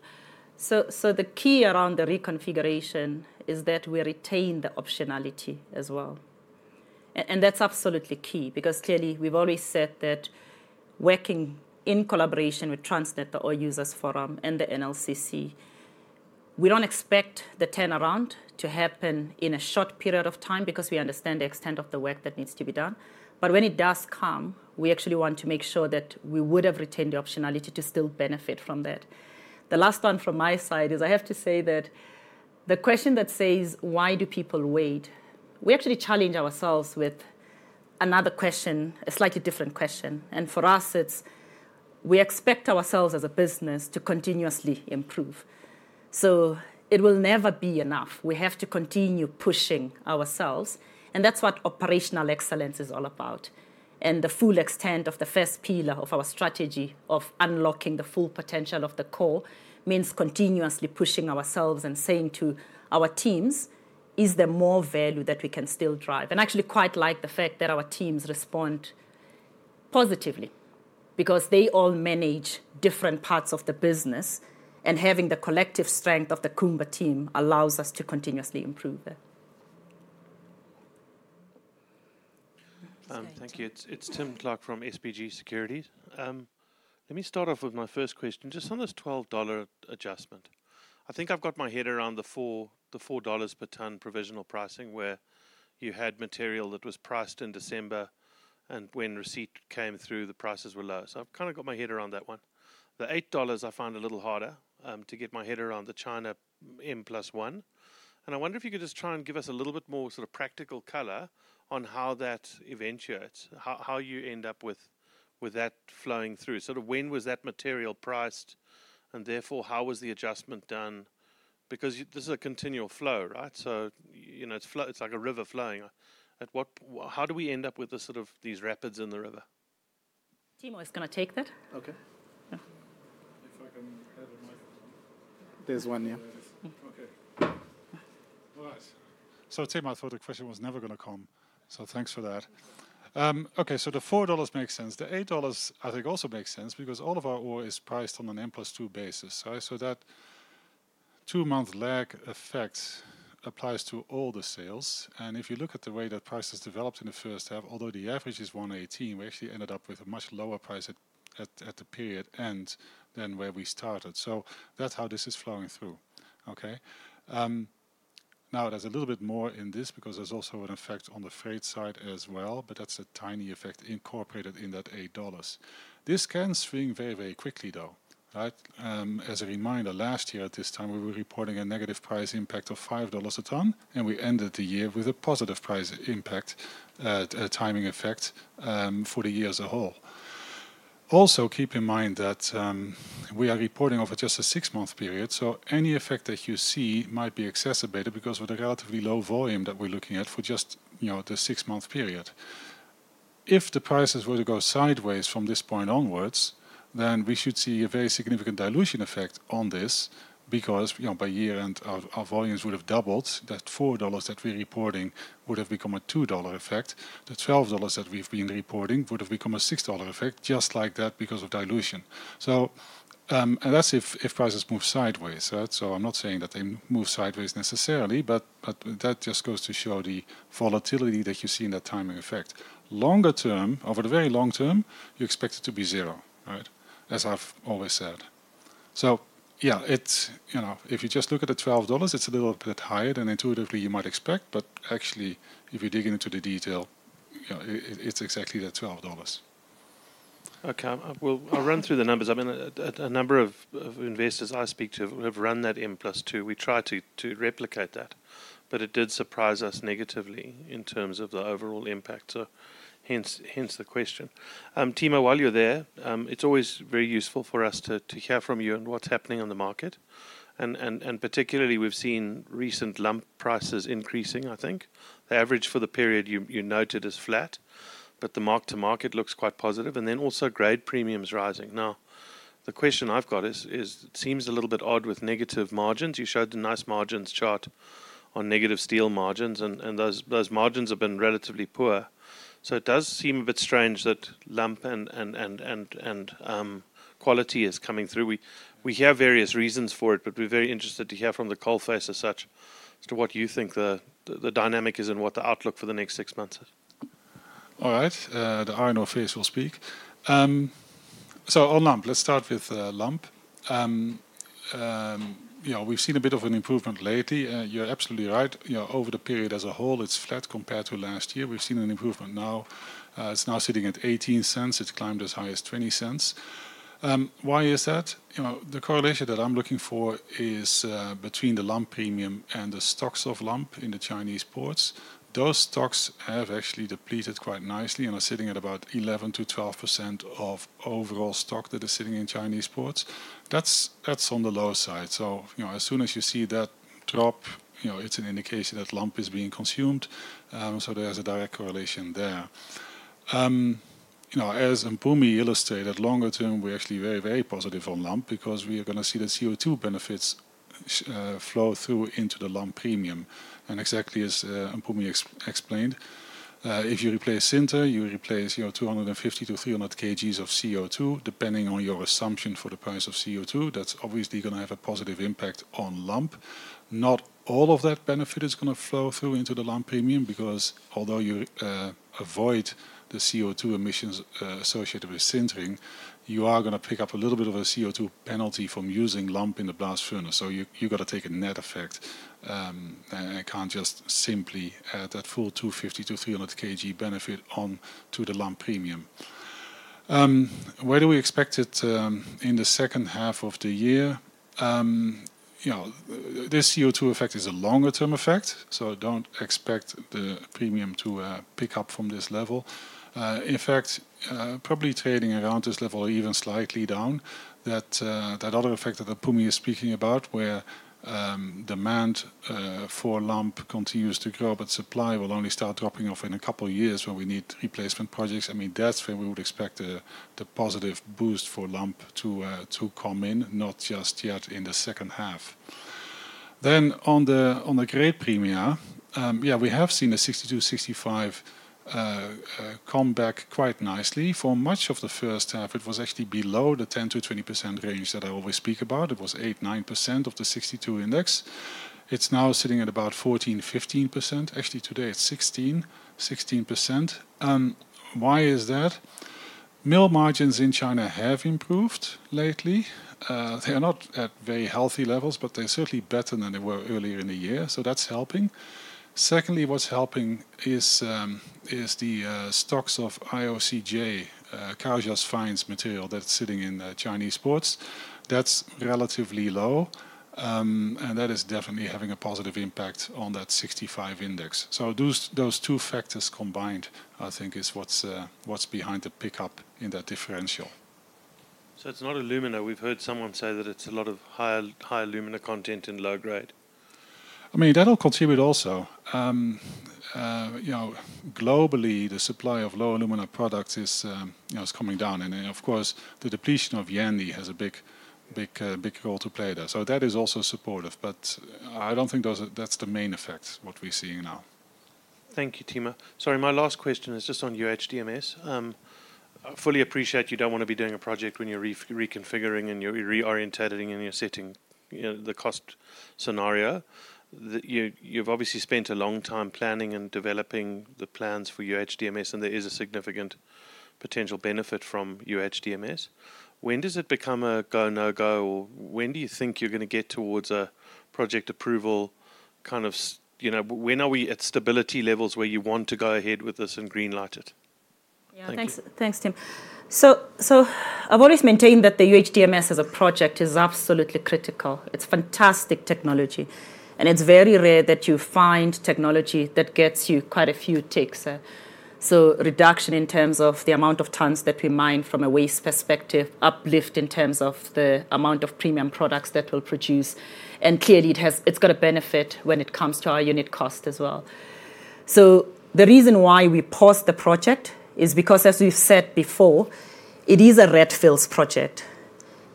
The key around the reconfiguration is that we retain the optionality as well. That's absolutely key because clearly we've always said that working in collaboration with Transnet or All Users Forum and the NLCC, we don't expect the turnaround to happen in a short period of time because we understand the extent of the work that needs to be done. When it does come, we actually want to make sure that we would have retained the optionality to still benefit from that. The last one from my side is I have to say that the question that says, why do people wait? We actually challenge ourselves with another question, a slightly different question. For us, it's we expect ourselves as a business to continuously improve. It will never be enough. We have to continue pushing ourselves. That's what operational excellence is all about. The full extent of the first pillar of our strategy of unlocking the full potential of the core means continuously pushing ourselves and saying to our teams, is there more value that we can still drive? I actually quite like the fact that our teams respond positively because they all manage different parts of the business, and having the collective strength of the Kumba team allows us to continuously improve that. Thank you. It's Tim Clark from SBG Securities. Let me start off with my first question. Just on this $12 adjustment, I think I've got my head around the $4 per ton provisional pricing where you had material that was priced in December, and when receipt came through, the prices were low. So I've kind of got my head around that one. The $8 I find a little harder to get my head around the China M+1. And I wonder if you could just try and give us a little bit more sort of practical color on how that eventuates how you end up with that flowing through. Sort of when was that material priced, and therefore how was the adjustment done? Because this is a continual flow, right? So it's like a river flowing. How do we end up with these rapids in the river? Timo, who's going to take that? Okay. If I can have a microphone. There's one, yeah. Okay. All right. So Tim, I thought the question was never going to come, so thanks for that. Okay, so the $4 makes sense. The $8 I think also makes sense because all of our ore is priced on an M+2 basis. So that 2-month lag effect applies to all the sales. And if you look at the way that price has developed in the first half, although the average is $118, we actually ended up with a much lower price at the period end than where we started. So that's how this is flowing through, okay? Now, there's a little bit more in this because there's also an effect on the freight side as well, but that's a tiny effect incorporated in that $8. This can swing very, very quickly, though, right? As a reminder, last year at this time, we were reporting a negative price impact of $5 a ton, and we ended the year with a positive price impact, a timing effect for the year as a whole. Also, keep in mind that we are reporting over just a six-month period, so any effect that you see might be exacerbated because of the relatively low volume that we're looking at for just the six-month period. If the prices were to go sideways from this point onwards, then we should see a very significant dilution effect on this because by year-end, our volumes would have doubled. That $4 that we're reporting would have become a $2 effect. The $12 that we've been reporting would have become a $6 effect, just like that because of dilution. And that's if prices move sideways, right? I'm not saying that they move sideways necessarily, but that just goes to show the volatility that you see in that timing effect. Longer term, over the very long term, you expect it to be zero, right? As I've always said. So yeah, if you just look at the $12, it's a little bit higher than intuitively you might expect, but actually, if you dig into the detail, it's exactly that $12. Okay, I'll run through the numbers. I mean, a number of investors I speak to who have run that M+2, we try to replicate that, but it did surprise us negatively in terms of the overall impact, so hence the question. Timo, while you're there, it's always very useful for us to hear from you on what's happening on the market. And particularly, we've seen recent lump prices increasing, I think. The average for the period you noted is flat, but the mark-to-market looks quite positive, and then also grade premiums rising. Now, the question I've got is, it seems a little bit odd with negative margins. You showed a nice margins chart on negative steel margins, and those margins have been relatively poor. So it does seem a bit strange that lump and quality is coming through. We have various reasons for it, but we're very interested to hear from the coalface as such as to what you think the dynamic is and what the outlook for the next six months is. All right, the iron ore face will speak. So on lump, let's start with lump. We've seen a bit of an improvement lately. You're absolutely right. Over the period as a whole, it's flat compared to last year. We've seen an improvement now. It's now sitting at $0.18. It's climbed as high as $0.20. Why is that? The correlation that I'm looking for is between the lump premium and the stocks of lump in the Chinese ports. Those stocks have actually depleted quite nicely and are sitting at about 11%-12% of overall stock that is sitting in Chinese ports. That's on the low side. So as soon as you see that drop, it's an indication that lump is being consumed. So there's a direct correlation there. As Mpumi illustrated, longer term, we're actually very, very positive on lump because we are going to see the CO₂ benefits flow through into the lump premium. And exactly as Mpumi explained, if you replace sinter, you replace 250-300 kg of CO₂, depending on your assumption for the price of CO₂. That's obviously going to have a positive impact on lump. Not all of that benefit is going to flow through into the lump premium because although you avoid the CO₂ emissions associated with sintering, you are going to pick up a little bit of a CO₂ penalty from using lump in the blast furnace. So you've got to take a net effect and can't just simply add that full 250-300 kg benefit onto the lump premium. Where do we expect it in the second half of the year? This CO₂ effect is a longer-term effect, so don't expect the premium to pick up from this level. In fact, probably trading around this level or even slightly down, that other effect that Mpumi is speaking about where demand for lump continues to grow, but supply will only start dropping off in a couple of years when we need replacement projects. I mean, that's where we would expect the positive boost for lump to come in, not just yet in the second half. Then on the grade premia, yeah, we have seen the 62, 65 come back quite nicely. For much of the first half, it was actually below the 10%-20% range that I always speak about. It was 8%-9% of the 62 index. It's now sitting at about 14%-15%. Actually today, it's 16%. Why is that? Mill margins in China have improved lately. They are not at very healthy levels, but they're certainly better than they were earlier in the year, so that's helping. Secondly, what's helping is the stocks of IOCJ, Carajas fines material that's sitting in Chinese ports. That's relatively low, and that is definitely having a positive impact on that 65 index. So those two factors combined, I think, is what's behind the pickup in that differential. It's not alumina. We've heard someone say that it's a lot of high alumina content in low grade. I mean, that'll contribute also. Globally, the supply of low alumina products is coming down. Of course, the depletion of Yandi has a big role to play there. That is also supportive, but I don't think that's the main effect, what we're seeing now. Thank you, Timo. Sorry, my last question is just on your UHDMS. I fully appreciate you don't want to be doing a project when you're reconfiguring and you're reorienting and you're setting the cost scenario. You've obviously spent a long time planning and developing the plans for your UHDMS, and there is a significant potential benefit from your UHDMS. When does it become a go, no go, or when do you think you're going to get towards a project approval kind of? When are we at stability levels where you want to go ahead with this and greenlight it? Yeah, thanks, Tim. So I've always maintained that the UHDMS as a project is absolutely critical. It's fantastic technology, and it's very rare that you find technology that gets you quite a few ticks. So reduction in terms of the amount of tons that we mine from a waste perspective, uplift in terms of the amount of premium products that we'll produce. And clearly, it's got a benefit when it comes to our unit cost as well. So the reason why we paused the project is because, as we've said before, it is a brownfield project.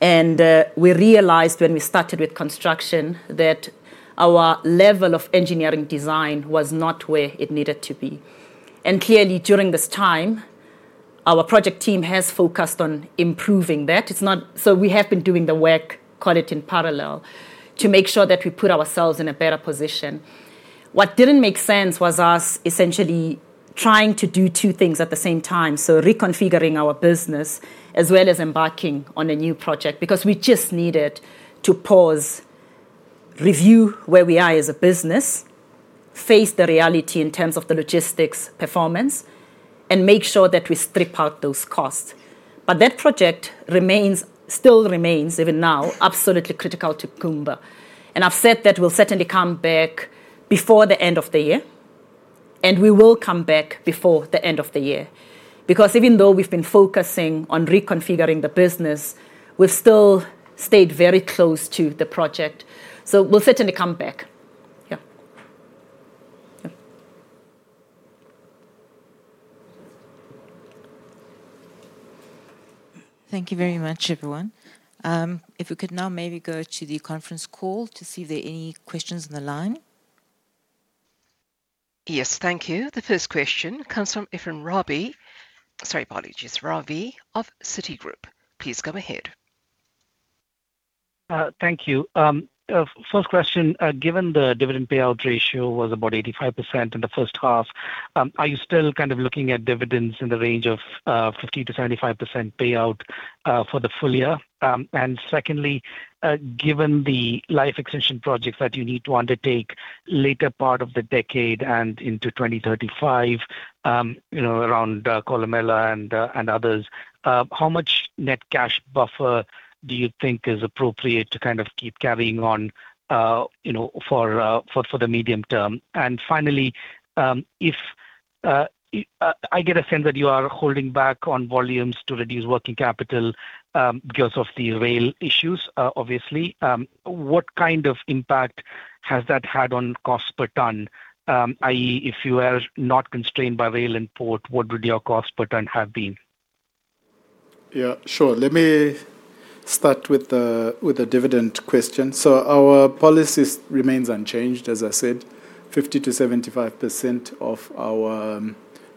And we realized when we started with construction that our level of engineering design was not where it needed to be. And clearly, during this time, our project team has focused on improving that. So we have been doing the work, call it in parallel, to make sure that we put ourselves in a better position. What didn't make sense was us essentially trying to do two things at the same time. So reconfiguring our business as well as embarking on a new project because we just needed to pause, review where we are as a business, face the reality in terms of the logistics performance, and make sure that we strip out those costs. But that project still remains, even now, absolutely critical to Kumba. And I've said that we'll certainly come back before the end of the year, and we will come back before the end of the year because even though we've been focusing on reconfiguring the business, we've still stayed very close to the project. So we'll certainly come back. Yeah. Thank you very much, everyone. If we could now maybe go to the conference call to see if there are any questions on the line. Yes, thank you. The first question comes from Ephrem Ravi. Sorry, apologies. Ravi of Citigroup. Please come ahead. Thank you. First question, given the dividend payout ratio was about 85% in the first half, are you still kind of looking at dividends in the range of 50%-75% payout for the full year? And secondly, given the life extension projects that you need to undertake later part of the decade and into 2035, around Kolomela and others, how much net cash buffer do you think is appropriate to kind of keep carrying on for the medium term? And finally, I get a sense that you are holding back on volumes to reduce working capital because of the rail issues, obviously. What kind of impact has that had on cost per ton? I.e., if you are not constrained by rail and port, what would your cost per ton have been? Yeah, sure. Let me start with the dividend question. So our policy remains unchanged, as I said. 50%-75% of our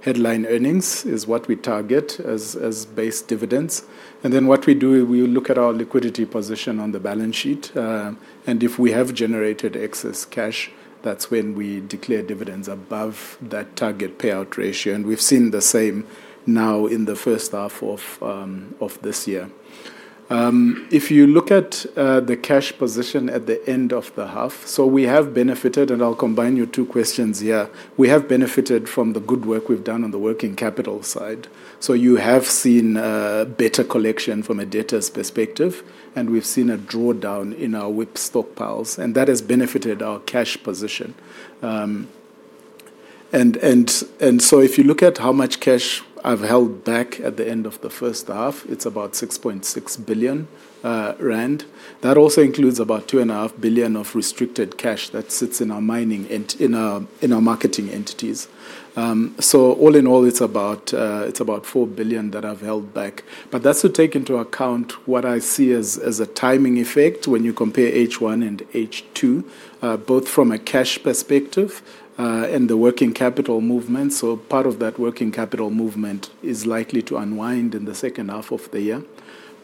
headline earnings is what we target as base dividends. And then what we do, we look at our liquidity position on the balance sheet. And if we have generated excess cash, that's when we declare dividends above that target payout ratio. And we've seen the same now in the first half of this year. If you look at the cash position at the end of the half, so we have benefited, and I'll combine your two questions here. We have benefited from the good work we've done on the working capital side. So you have seen better collection from a debt perspective, and we've seen a drawdown in our WIP stockpiles, and that has benefited our cash position. So if you look at how much cash I've held back at the end of the first half, it's about 6.6 billion rand. That also includes about 2.5 billion of restricted cash that sits in our mining and in our marketing entities. So all in all, it's about 4 billion that I've held back. But that's to take into account what I see as a timing effect when you compare H1 and H2, both from a cash perspective and the working capital movement. So part of that working capital movement is likely to unwind in the second half of the year.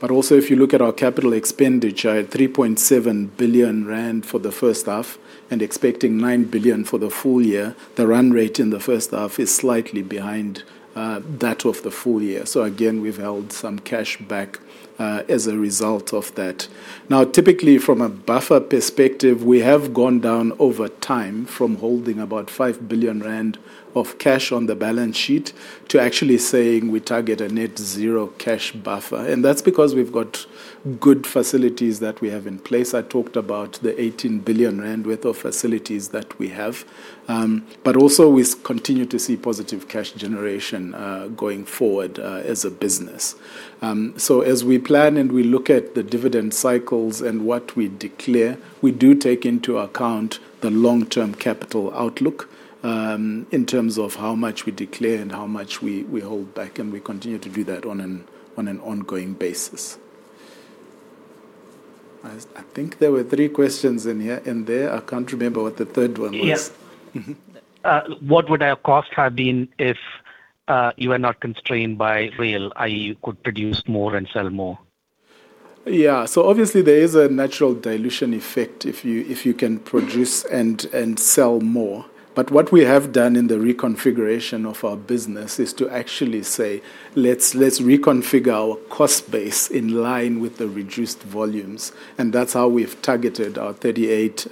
But also, if you look at our capital expenditure, 3.7 billion rand for the first half and expecting 9 billion for the full year, the run rate in the first half is slightly behind that of the full year. So again, we've held some cash back as a result of that. Now, typically, from a buffer perspective, we have gone down over time from holding about 5 billion rand of cash on the balance sheet to actually saying we target a net zero cash buffer. And that's because we've got good facilities that we have in place. I talked about the 18 billion rand worth of facilities that we have. But also, we continue to see positive cash generation going forward as a business. So as we plan and we look at the dividend cycles and what we declare, we do take into account the long-term capital outlook in terms of how much we declare and how much we hold back, and we continue to do that on an ongoing basis. I think there were three questions in there. I can't remember what the third one was. Yes. What would our cost have been if you are not constrained by rail, i.e., you could produce more and sell more? Yeah. So obviously, there is a natural dilution effect if you can produce and sell more. But what we have done in the reconfiguration of our business is to actually say, let's reconfigure our cost base in line with the reduced volumes. And that's how we've targeted our $38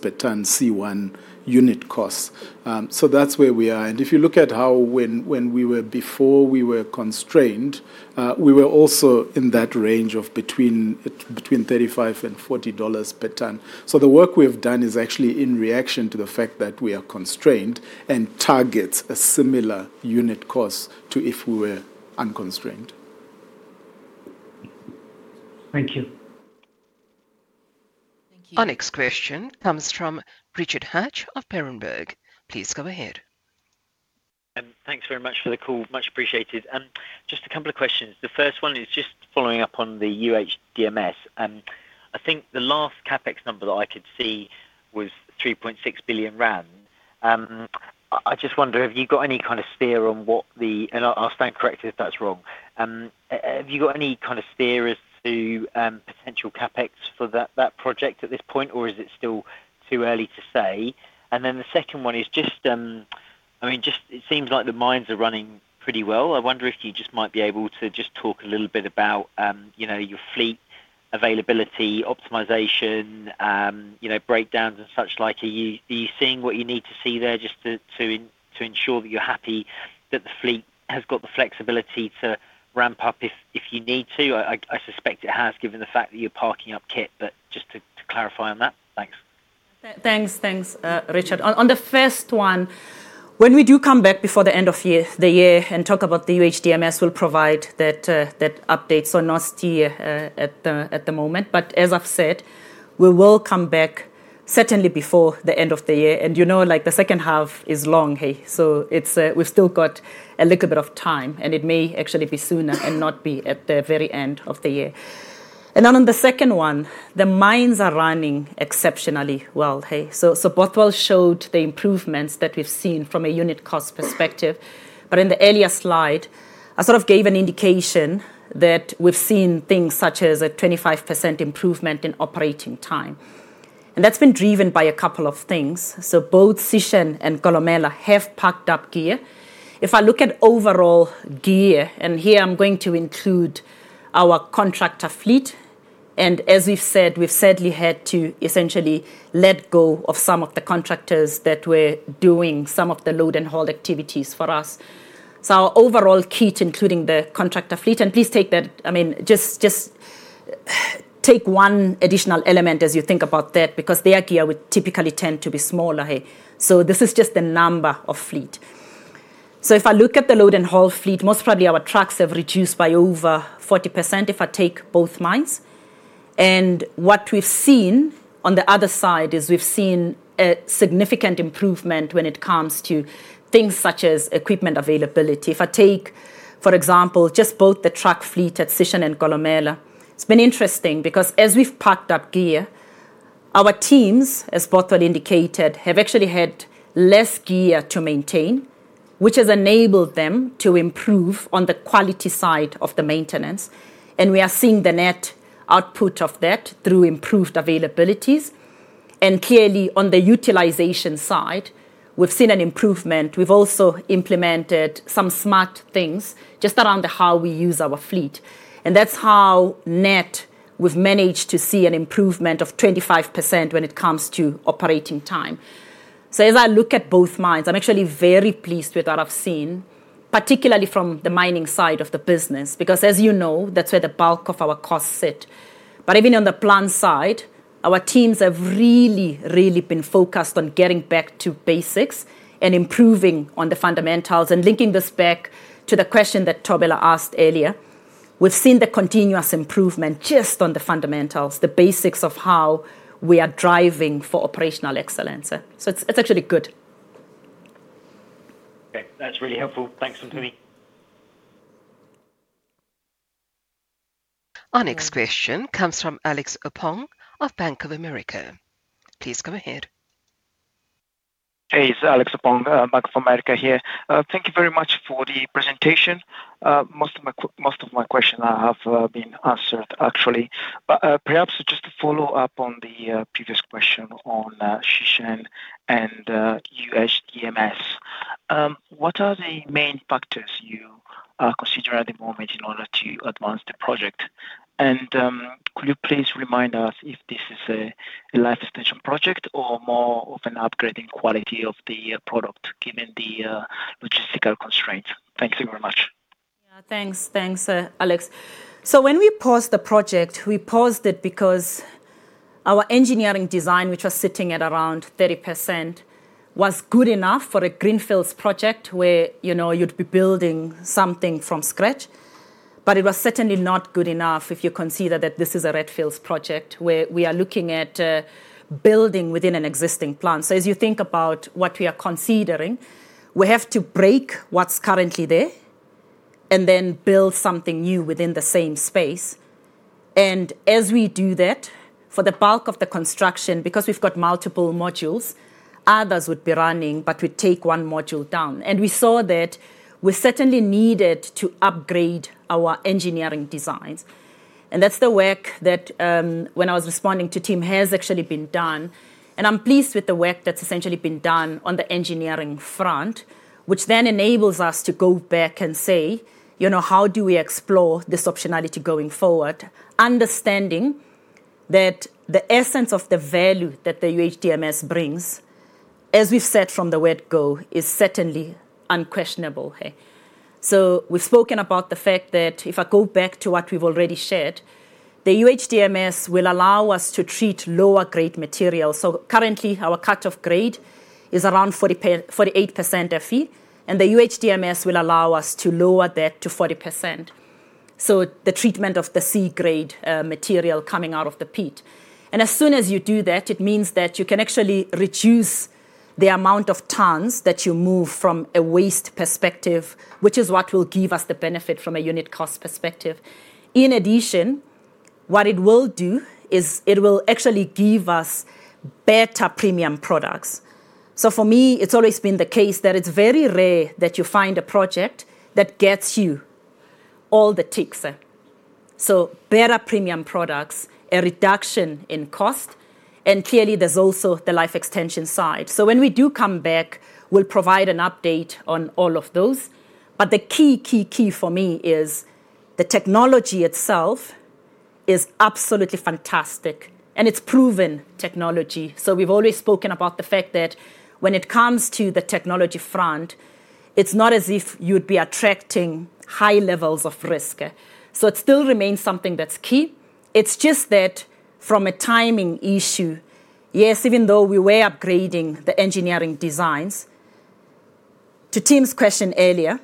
per ton C1 unit cost. So that's where we are. And if you look at how when we were before we were constrained, we were also in that range of between $35-$40 per ton. So the work we've done is actually in reaction to the fact that we are constrained and targets a similar unit cost to if we were unconstrained. Thank you. Our next question comes from Richard Hatch of Berenberg. Please come ahead. Thanks very much for the call. Much appreciated. Just a couple of questions. The first one is just following up on the UHDMS. I think the last CapEx number that I could see was 3.6 billion rand. I just wonder, have you got any kind of steer on what the—and I'll stand corrected if that's wrong—have you got any kind of steer as to potential CapEx for that project at this point, or is it still too early to say? And then the second one is just, I mean, just it seems like the mines are running pretty well. I wonder if you just might be able to just talk a little bit about your fleet availability, optimization, breakdowns, and such like. Are you seeing what you need to see there just to ensure that you're happy that the fleet has got the flexibility to ramp up if you need to? I suspect it has given the fact that you're parking up kit, but just to clarify on that, thanks. Thanks, Richard. On the first one, when we do come back before the end of the year and talk about the UHDMS, we'll provide that update. So not here at the moment. But as I've said, we will come back certainly before the end of the year. And you know the second half is long, so we've still got a little bit of time, and it may actually be sooner and not be at the very end of the year. And then on the second one, the mines are running exceptionally well. So Bothwell showed the improvements that we've seen from a unit cost perspective. But in the earlier slide, I sort of gave an indication that we've seen things such as a 25% improvement in operating time. And that's been driven by a couple of things. So both Sishen and Kolomela have parked up gear. If I look at overall gear, and here I'm going to include our contractor fleet. As we've said, we've sadly had to essentially let go of some of the contractors that were doing some of the load and haul activities for us. Our overall KIT, including the contractor fleet, and please take that, I mean, just take one additional element as you think about that because their gear would typically tend to be smaller. This is just the number of fleet. If I look at the load and haul fleet, most probably our trucks have reduced by over 40% if I take both mines. What we've seen on the other side is we've seen a significant improvement when it comes to things such as equipment availability. If I take, for example, just both the truck fleet at Sishen and Kolomela, it's been interesting because as we've packed up gear, our teams, as Bothwell indicated, have actually had less gear to maintain, which has enabled them to improve on the quality side of the maintenance. And we are seeing the net output of that through improved availabilities. And clearly, on the utilization side, we've seen an improvement. We've also implemented some smart things just around how we use our fleet. And that's how net we've managed to see an improvement of 25% when it comes to operating time. So as I look at both mines, I'm actually very pleased with what I've seen, particularly from the mining side of the business because, as you know, that's where the bulk of our costs sit. But even on the plant side, our teams have really, really been focused on getting back to basics and improving on the fundamentals and linking this back to the question that Thobela asked earlier. We've seen the continuous improvement just on the fundamentals, the basics of how we are driving for operational excellence. So it's actually good. Okay. That's really helpful. Thanks, Anthony. Our next question comes from Alex Opong of Bank of America. Please come ahead. Hey, it's Alex Opong, Bank of America here. Thank you very much for the presentation. Most of my questions have been answered, actually. But perhaps just to follow up on the previous question on Sishen and UHDMS, what are the main factors you consider at the moment in order to advance the project? And could you please remind us if this is a life extension project or more of an upgrading quality of the product given the logistical constraints? Thank you very much. Yeah, thanks. Thanks, Alex. So when we paused the project, we paused it because our engineering design, which was sitting at around 30%, was good enough for a greenfield project where you'd be building something from scratch. But it was certainly not good enough if you consider that this is a brownfield project where we are looking at building within an existing plant. So as you think about what we are considering, we have to break what's currently there and then build something new within the same space. And as we do that, for the bulk of the construction, because we've got multiple modules, others would be running, but we'd take one module down. And we saw that we certainly needed to upgrade our engineering designs. And that's the work that, when I was responding to Tim, has actually been done. I'm pleased with the work that's essentially been done on the engineering front, which then enables us to go back and say, how do we explore this optionality going forward, understanding that the essence of the value that the UHDMS brings, as we've said from the word go, is certainly unquestionable. So we've spoken about the fact that if I go back to what we've already shared, the UHDMS will allow us to treat lower-grade materials. So currently, our cut-off grade is around 48% Fe, and the UHDMS will allow us to lower that to 40%. So the treatment of the C-grade material coming out of the pit. And as soon as you do that, it means that you can actually reduce the amount of tons that you move from a waste perspective, which is what will give us the benefit from a unit cost perspective. In addition, what it will do is it will actually give us better premium products. So for me, it's always been the case that it's very rare that you find a project that gets you all the ticks. So better premium products, a reduction in cost, and clearly, there's also the life extension side. So when we do come back, we'll provide an update on all of those. But the key, key, key for me is the technology itself is absolutely fantastic, and it's proven technology. So we've always spoken about the fact that when it comes to the technology front, it's not as if you'd be attracting high levels of risk. So it still remains something that's key. It's just that from a timing issue, yes, even though we were upgrading the engineering designs, to Tim's question earlier,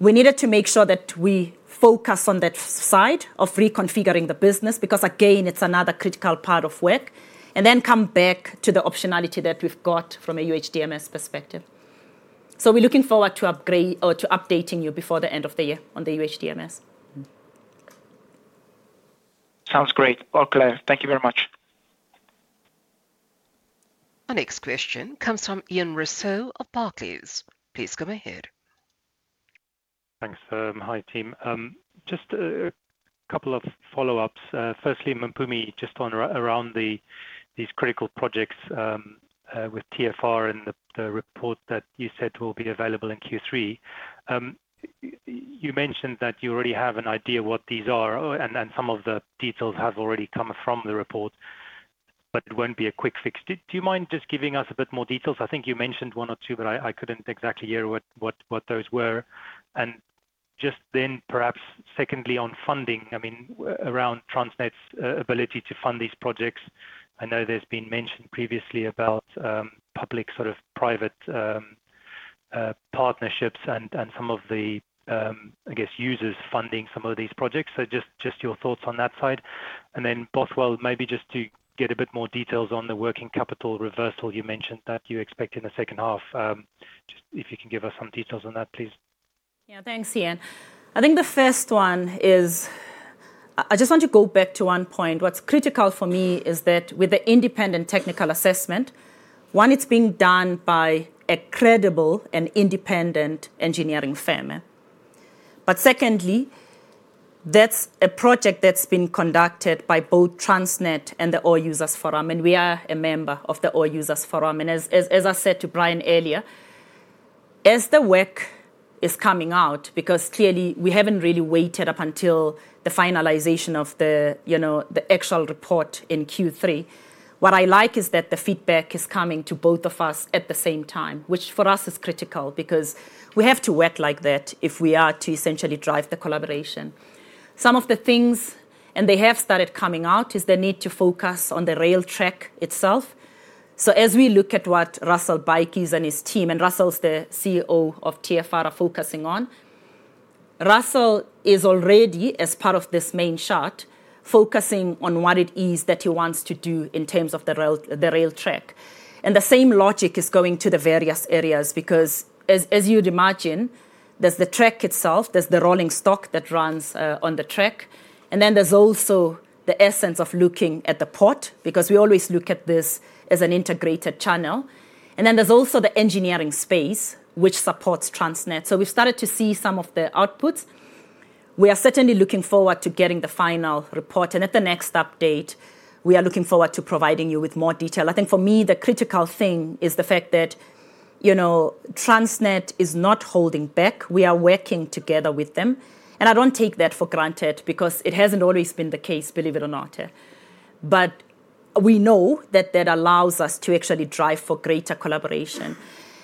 we needed to make sure that we focus on that side of reconfiguring the business because, again, it's another critical part of work, and then come back to the optionality that we've got from a UHDMS perspective. So we're looking forward to updating you before the end of the year on the UHDMS. Sounds great. All clear. Thank you very much. Our next question comes from Ian Rossouw of Barclays. Please come ahead. Thanks. Hi, Tim. Just a couple of follow-ups. Firstly, Mpumi, just around these critical projects with TFR and the report that you said will be available in Q3. You mentioned that you already have an idea what these are, and some of the details have already come from the report, but it won't be a quick fix. Do you mind just giving us a bit more details? I think you mentioned one or two, but I couldn't exactly hear what those were. And just then, perhaps secondly, on funding, I mean, around Transnet's ability to fund these projects. I know there's been mention previously about public sort of private partnerships and some of the, I guess, users funding some of these projects. So just your thoughts on that side. And then Bothwell, maybe just to get a bit more details on the working capital reversal you mentioned that you expect in the second half. Just if you can give us some details on that, please. Yeah, thanks, Ian. I think the first one is I just want to go back to one point. What's critical for me is that with the independent technical assessment, one, it's being done by a credible and independent engineering firm. But secondly, that's a project that's been conducted by both Transnet and the All Users Forum. And we are a member of the All Users Forum. And as I said to Brian earlier, as the work is coming out, because clearly, we haven't really waited up until the finalization of the actual report in Q3, what I like is that the feedback is coming to both of us at the same time, which for us is critical because we have to work like that if we are to essentially drive the collaboration. Some of the things, and they have started coming out, is the need to focus on the rail track itself. So as we look at what Russell Baatjies and his team, and Russell's the CEO of TFR, are focusing on, Russell is already, as part of this maintenance shut, focusing on what it is that he wants to do in terms of the rail track. And the same logic is going to the various areas because, as you'd imagine, there's the track itself, there's the rolling stock that runs on the track, and then there's also the essence of looking at the port because we always look at this as an integrated channel. And then there's also the engineering space, which supports Transnet. So we've started to see some of the outputs. We are certainly looking forward to getting the final report. At the next update, we are looking forward to providing you with more detail. I think for me, the critical thing is the fact that Transnet is not holding back. We are working together with them. I don't take that for granted because it hasn't always been the case, believe it or not. But we know that that allows us to actually drive for greater collaboration.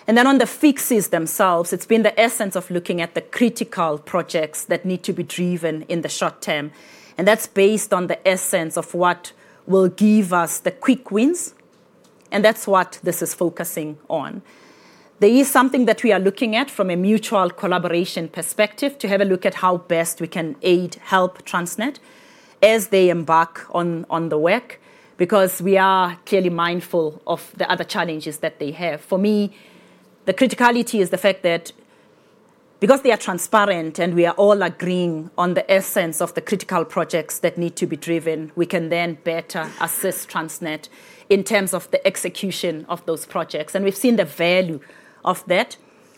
Then on the fixes themselves, it's been the essence of looking at the critical projects that need to be driven in the short term. That's based on the essence of what will give us the quick wins. That's what this is focusing on. There is something that we are looking at from a mutual collaboration perspective to have a look at how best we can aid, help Transnet as they embark on the work because we are clearly mindful of the other challenges that they have. For me, the criticality is the fact that because they are transparent and we are all agreeing on the essence of the critical projects that need to be driven, we can then better assist Transnet in terms of the execution of those projects. And we've seen the value of that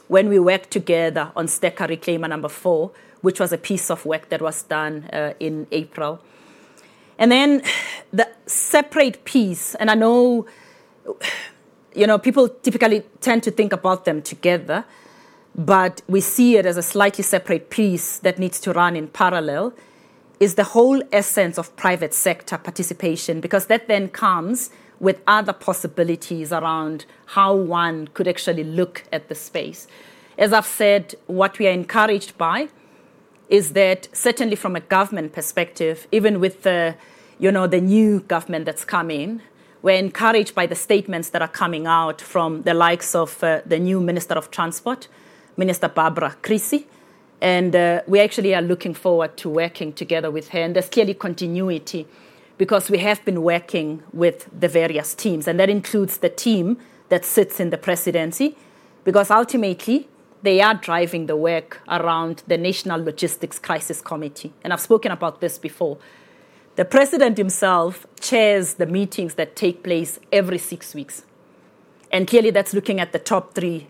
when we work together on stacker-reclaimer Number 4, which was a piece of work that was done in April. And then the separate piece, and I know people typically tend to think about them together, but we see it as a slightly separate piece that needs to run in parallel, is the whole essence of private sector participation because that then comes with other possibilities around how one could actually look at the space. As I've said, what we are encouraged by is that certainly from a government perspective, even with the new government that's come in, we're encouraged by the statements that are coming out from the likes of the new Minister of Transport, Minister Barbara Creecy. And we actually are looking forward to working together with her. And there's clearly continuity because we have been working with the various teams. And that includes the team that sits in the presidency because ultimately, they are driving the work around the National Logistics Crisis Committee. I've spoken about this before. The president himself chairs the meetings that take place every six weeks. Clearly, that's looking at the top three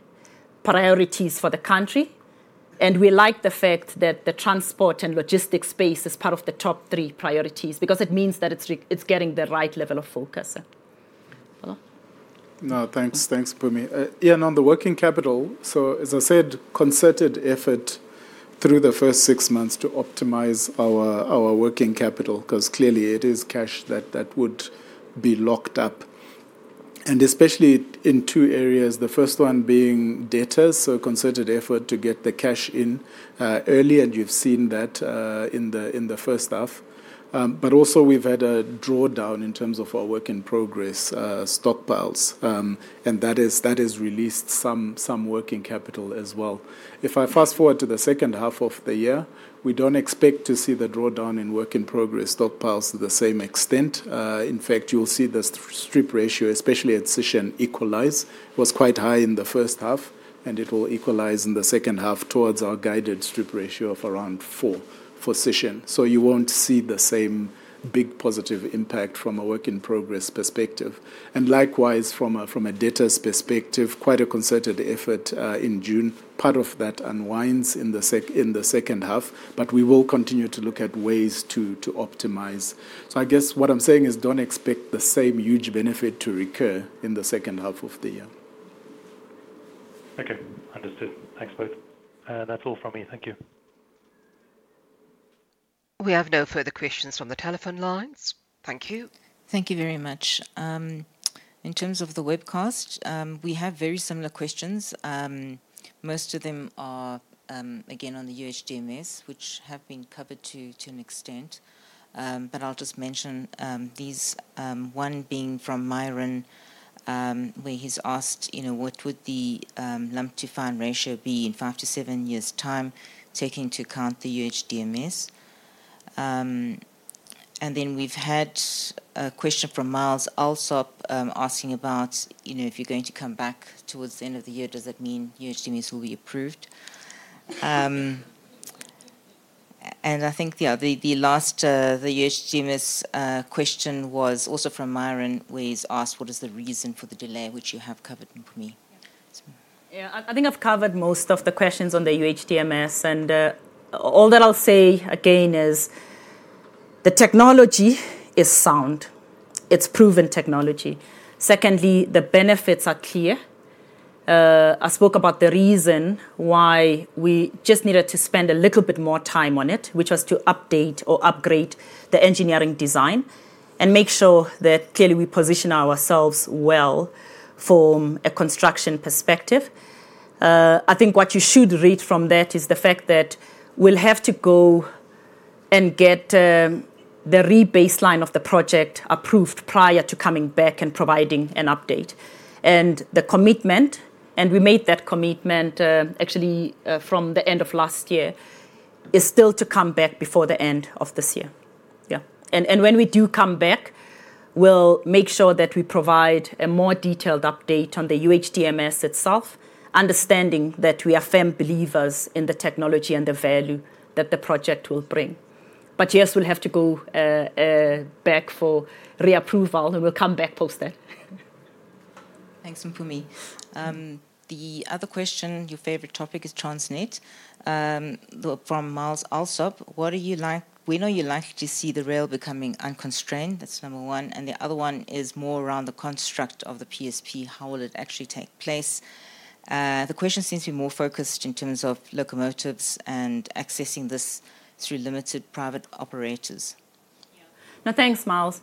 priorities for the country. We like the fact that the transport and logistics space is part of the top three priorities because it means that it's getting the right level of focus. Hello? No, thanks. Thanks, Mpumi. Yeah, on the working capital, so as I said, concerted effort through the first six months to optimize our working capital because clearly, it is cash that would be locked up. And especially in two areas, the first one being debtors. So a concerted effort to get the cash in early, and you've seen that in the first half. But also, we've had a drawdown in terms of our work-in-progress stockpiles, and that has released some working capital as well. If I fast forward to the second half of the year, we don't expect to see the drawdown in work-in-progress stockpiles to the same extent. In fact, you'll see the strip ratio, especially at Sishen, equalize. It was quite high in the first half, and it will equalize in the second half towards our guided strip ratio of around four for Sishen. So you won't see the same big positive impact from a work in progress perspective. And likewise, from a debtor perspective, quite a concerted effort in June. Part of that unwinds in the second half, but we will continue to look at ways to optimize. So I guess what I'm saying is don't expect the same huge benefit to recur in the second half of the year. Okay. Understood. Thanks, both. That's all from me. Thank you. We have no further questions from the telephone lines. Thank you. Thank you very much. In terms of the webcast, we have very similar questions. Most of them are, again, on the UHDMS, which have been covered to an extent. But I'll just mention these, one being from Myron, where he's asked, what would the lump-to-fines ratio be in 5-7 years' time, taking into account the UHDMS? And then we've had a question from Miles Allsop asking about if you're going to come back towards the end of the year, does that mean UHDMS will be approved? And I think the last, the UHDMS question was also from Myron, where he's asked, what is the reason for the delay, which you have covered, Pumi. Yeah, I think I've covered most of the questions on the UHDMS. All that I'll say again is the technology is sound. It's proven technology. Secondly, the benefits are clear. I spoke about the reason why we just needed to spend a little bit more time on it, which was to update or upgrade the engineering design and make sure that clearly we position ourselves well from a construction perspective. I think what you should read from that is the fact that we'll have to go and get the re-baseline of the project approved prior to coming back and providing an update. The commitment, and we made that commitment actually from the end of last year, is still to come back before the end of this year. Yeah. When we do come back, we'll make sure that we provide a more detailed update on the UHDMS itself, understanding that we are firm believers in the technology and the value that the project will bring. But yes, we'll have to go back for reapproval, and we'll come back post that. Thanks, Mpumi. The other question, your favorite topic is Transnet. From Miles Allsop, what do you like? We know you like to see the rail becoming unconstrained. That's number one. And the other one is more around the construct of the PSP. How will it actually take place? The question seems to be more focused in terms of locomotives and accessing this through limited private operators. Yeah. No, thanks, Miles.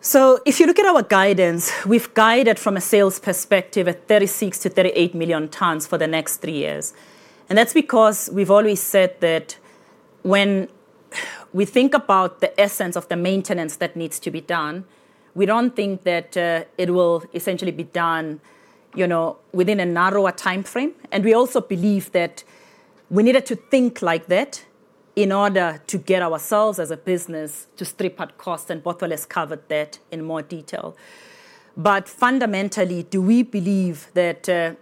So if you look at our guidance, we've guided from a sales perspective at 36-38 million tons for the next three years. And that's because we've always said that when we think about the essence of the maintenance that needs to be done, we don't think that it will essentially be done within a narrower timeframe. And we also believe that we needed to think like that in order to get ourselves as a business to strip at cost, and Bothwell has covered that in more detail. But fundamentally, do we believe that the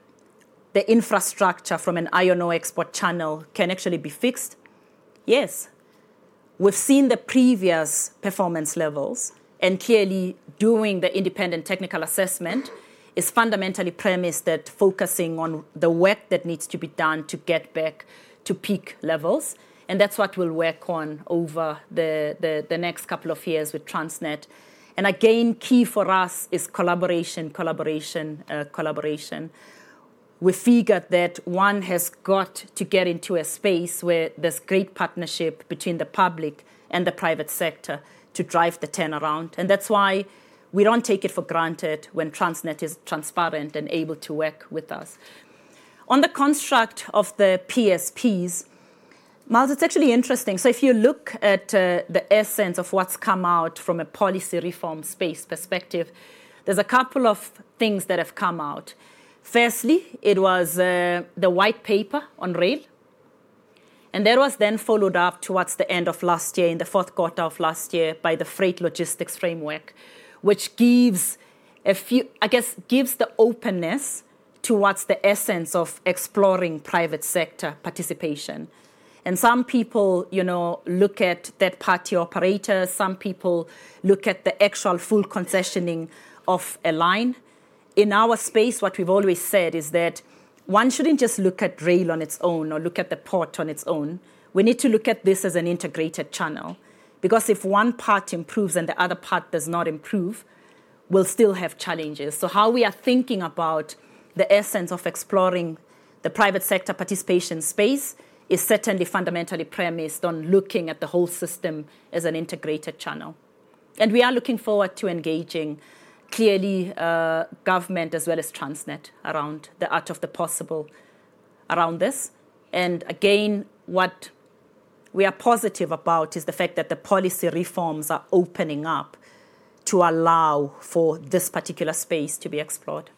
infrastructure from an iron ore export channel can actually be fixed? Yes. We've seen the previous performance levels, and clearly, doing the independent technical assessment is fundamentally premised that focusing on the work that needs to be done to get back to peak levels. That's what we'll work on over the next couple of years with Transnet. And again, key for us is collaboration, collaboration, collaboration. We figured that one has got to get into a space where there's great partnership between the public and the private sector to drive the turnaround. And that's why we don't take it for granted when Transnet is transparent and able to work with us. On the construct of the PSPs, Miles, it's actually interesting. So if you look at the essence of what's come out from a policy reform space perspective, there's a couple of things that have come out. Firstly, it was the white paper on rail. And that was then followed up towards the end of last year in the fourth quarter of last year by the freight logistics framework, which gives a few, I guess, gives the openness towards the essence of exploring private sector participation. And some people look at third-party operator. Some people look at the actual full concessioning of a line. In our space, what we've always said is that one shouldn't just look at rail on its own or look at the port on its own. We need to look at this as an integrated channel because if one part improves and the other part does not improve, we'll still have challenges. So how we are thinking about the essence of exploring the private sector participation space is certainly fundamentally premised on looking at the whole system as an integrated channel. We are looking forward to engaging clearly government as well as Transnet around the art of the possible around this. Again, what we are positive about is the fact that the policy reforms are opening up to allow for this particular space to be explored.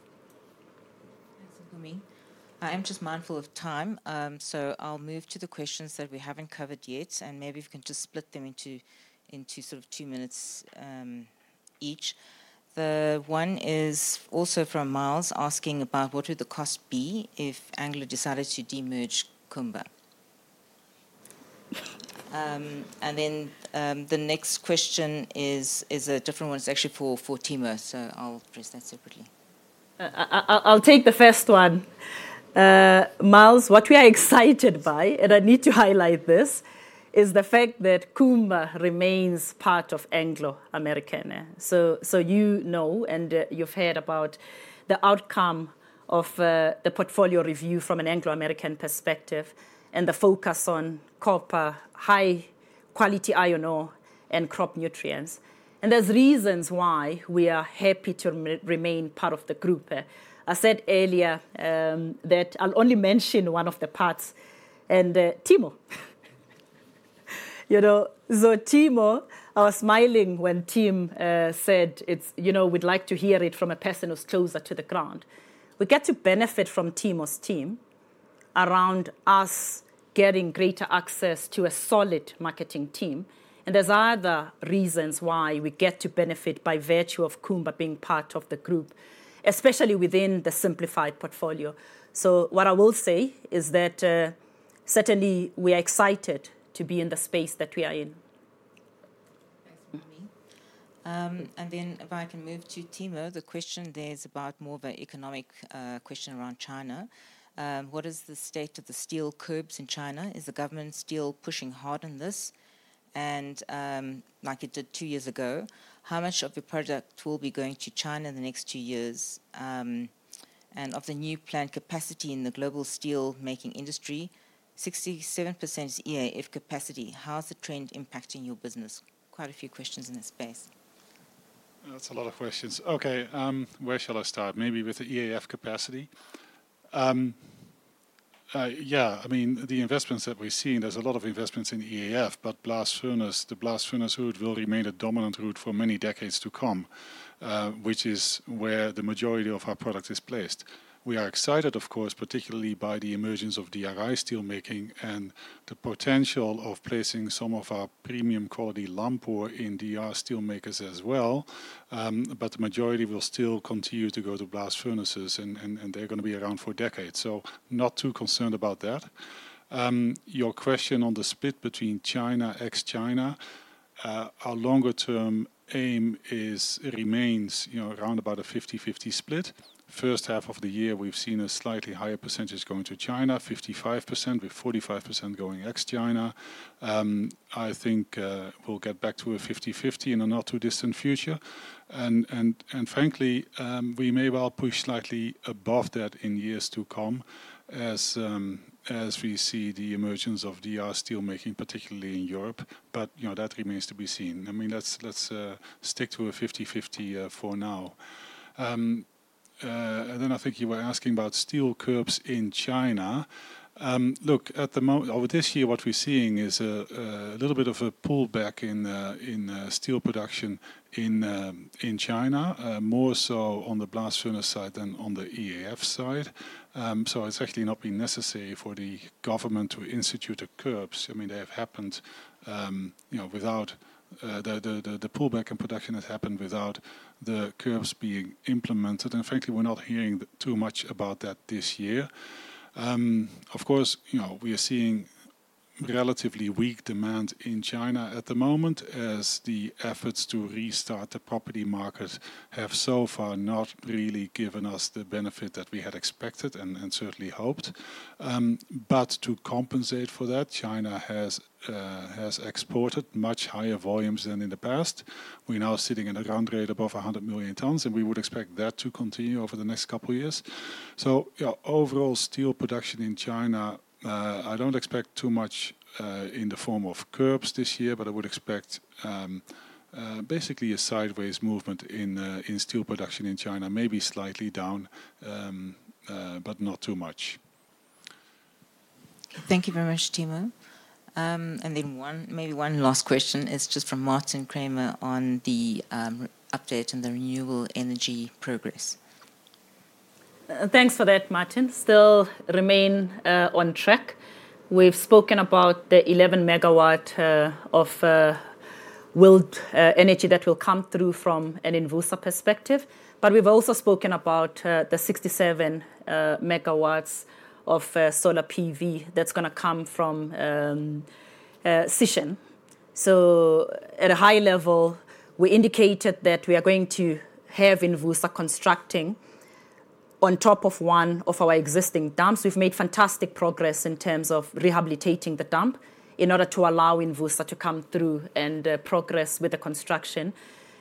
Thanks, Mpumi. I'm just mindful of time, so I'll move to the questions that we haven't covered yet, and maybe we can just split them into sort of two minutes each. The one is also from Miles asking about what would the cost be if Anglo decided to de-emerge Kumba? And then the next question is a different one. It's actually for Timur, so I'll address that separately. I'll take the first one. Miles, what we are excited by, and I need to highlight this, is the fact that Kumba remains part of Anglo American. So you know, and you've heard about the outcome of the portfolio review from an Anglo American perspective and the focus on copper high-quality iron ore and crop nutrients. And there's reasons why we are happy to remain part of the group. I said earlier that I'll only mention one of the parts, and Timo. So Timo, I was smiling when Timo said, "We'd like to hear it from a person who's closer to the ground." We get to benefit from Timo's team around us getting greater access to a solid marketing team. And there's other reasons why we get to benefit by virtue of Kumba being part of the group, especially within the simplified portfolio. What I will say is that certainly we are excited to be in the space that we are in. Thanks, Mpumi. And then if I can move to Timur, the question there is about more of an economic question around China. What is the state of the steel curbs in China? Is the government still pushing hard on this? And like it did two years ago, how much of your product will be going to China in the next two years? And of the new plant capacity in the global steelmaking industry, 67% is EAF capacity. How is the trend impacting your business? Quite a few questions in this space. That's a lot of questions. Okay, where shall I start? Maybe with the EAF capacity. Yeah, I mean, the investments that we've seen, there's a lot of investments in EAF, but blast furnace, the blast furnace route will remain a dominant route for many decades to come, which is where the majority of our product is placed. We are excited, of course, particularly by the emergence of DRI steelmaking and the potential of placing some of our premium quality lump ore in DRI steelmakers as well. But the majority will still continue to go to blast furnaces, and they're going to be around for decades. So not too concerned about that. Your question on the split between China ex-China, our longer-term aim remains around about a 50/50 split. First half of the year, we've seen a slightly higher percentage going to China, 55%, with 45% going ex-China. I think we'll get back to a 50/50 in a not too distant future. And frankly, we may well push slightly above that in years to come as we see the emergence of DR steelmaking, particularly in Europe. But that remains to be seen. I mean, let's stick to a 50/50 for now. And then I think you were asking about steel curbs in China. Look, at the moment over this year, what we're seeing is a little bit of a pullback in steel production in China, more so on the blast furnace side than on the EAF side. So it's actually not been necessary for the government to institute a curbs. I mean, they have happened without the pullback in production has happened without the curbs being implemented. And frankly, we're not hearing too much about that this year. Of course, we are seeing relatively weak demand in China at the moment as the efforts to restart the property market have so far not really given us the benefit that we had expected and certainly hoped. But to compensate for that, China has exported much higher volumes than in the past. We're now sitting at a run rate above 100 million tons, and we would expect that to continue over the next couple of years. So overall steel production in China, I don't expect too much in the form of curbs this year, but I would expect basically a sideways movement in steel production in China, maybe slightly down, but not too much. Thank you very much, Tim Clark. And then maybe one last question is just from Martin Creamer on the update and the renewable energy progress. Thanks for that, Martin. Still remain on track. We've spoken about the 11 megawatts of wind energy that will come through from an Envusa perspective. But we've also spoken about the 67 megawatts of solar PV that's going to come from Sishen. So at a high level, we indicated that we are going to have Envusa constructing on top of one of our existing dams. We've made fantastic progress in terms of rehabilitating the dam in order to allow Envusa to come through and progress with the construction.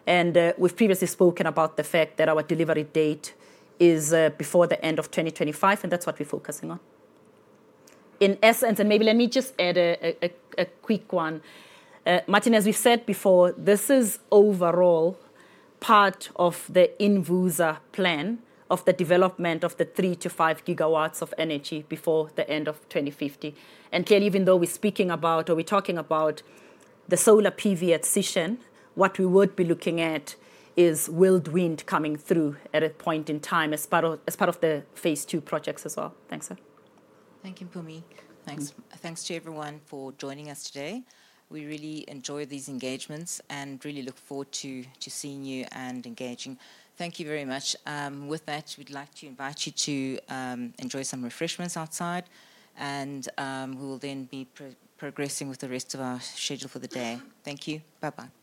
And we've previously spoken about the fact that our delivery date is before the end of 2025, and that's what we're focusing on. In essence, and maybe let me just add a quick one. Martin, as we've said before, this is overall part of the Envusa plan of the development of the 3-5 GW of energy before the end of 2050. Clearly, even though we're speaking about or we're talking about the solar PV at Sishen, what we would be looking at is hybrid wind coming through at a point in time as part of the phase two projects as well. Thanks, sir. Thank you, Mpumi. Thanks to everyone for joining us today. We really enjoy these engagements and really look forward to seeing you and engaging. Thank you very much. With that, we'd like to invite you to enjoy some refreshments outside, and we will then be progressing with the rest of our schedule for the day. Thank you. Bye-bye.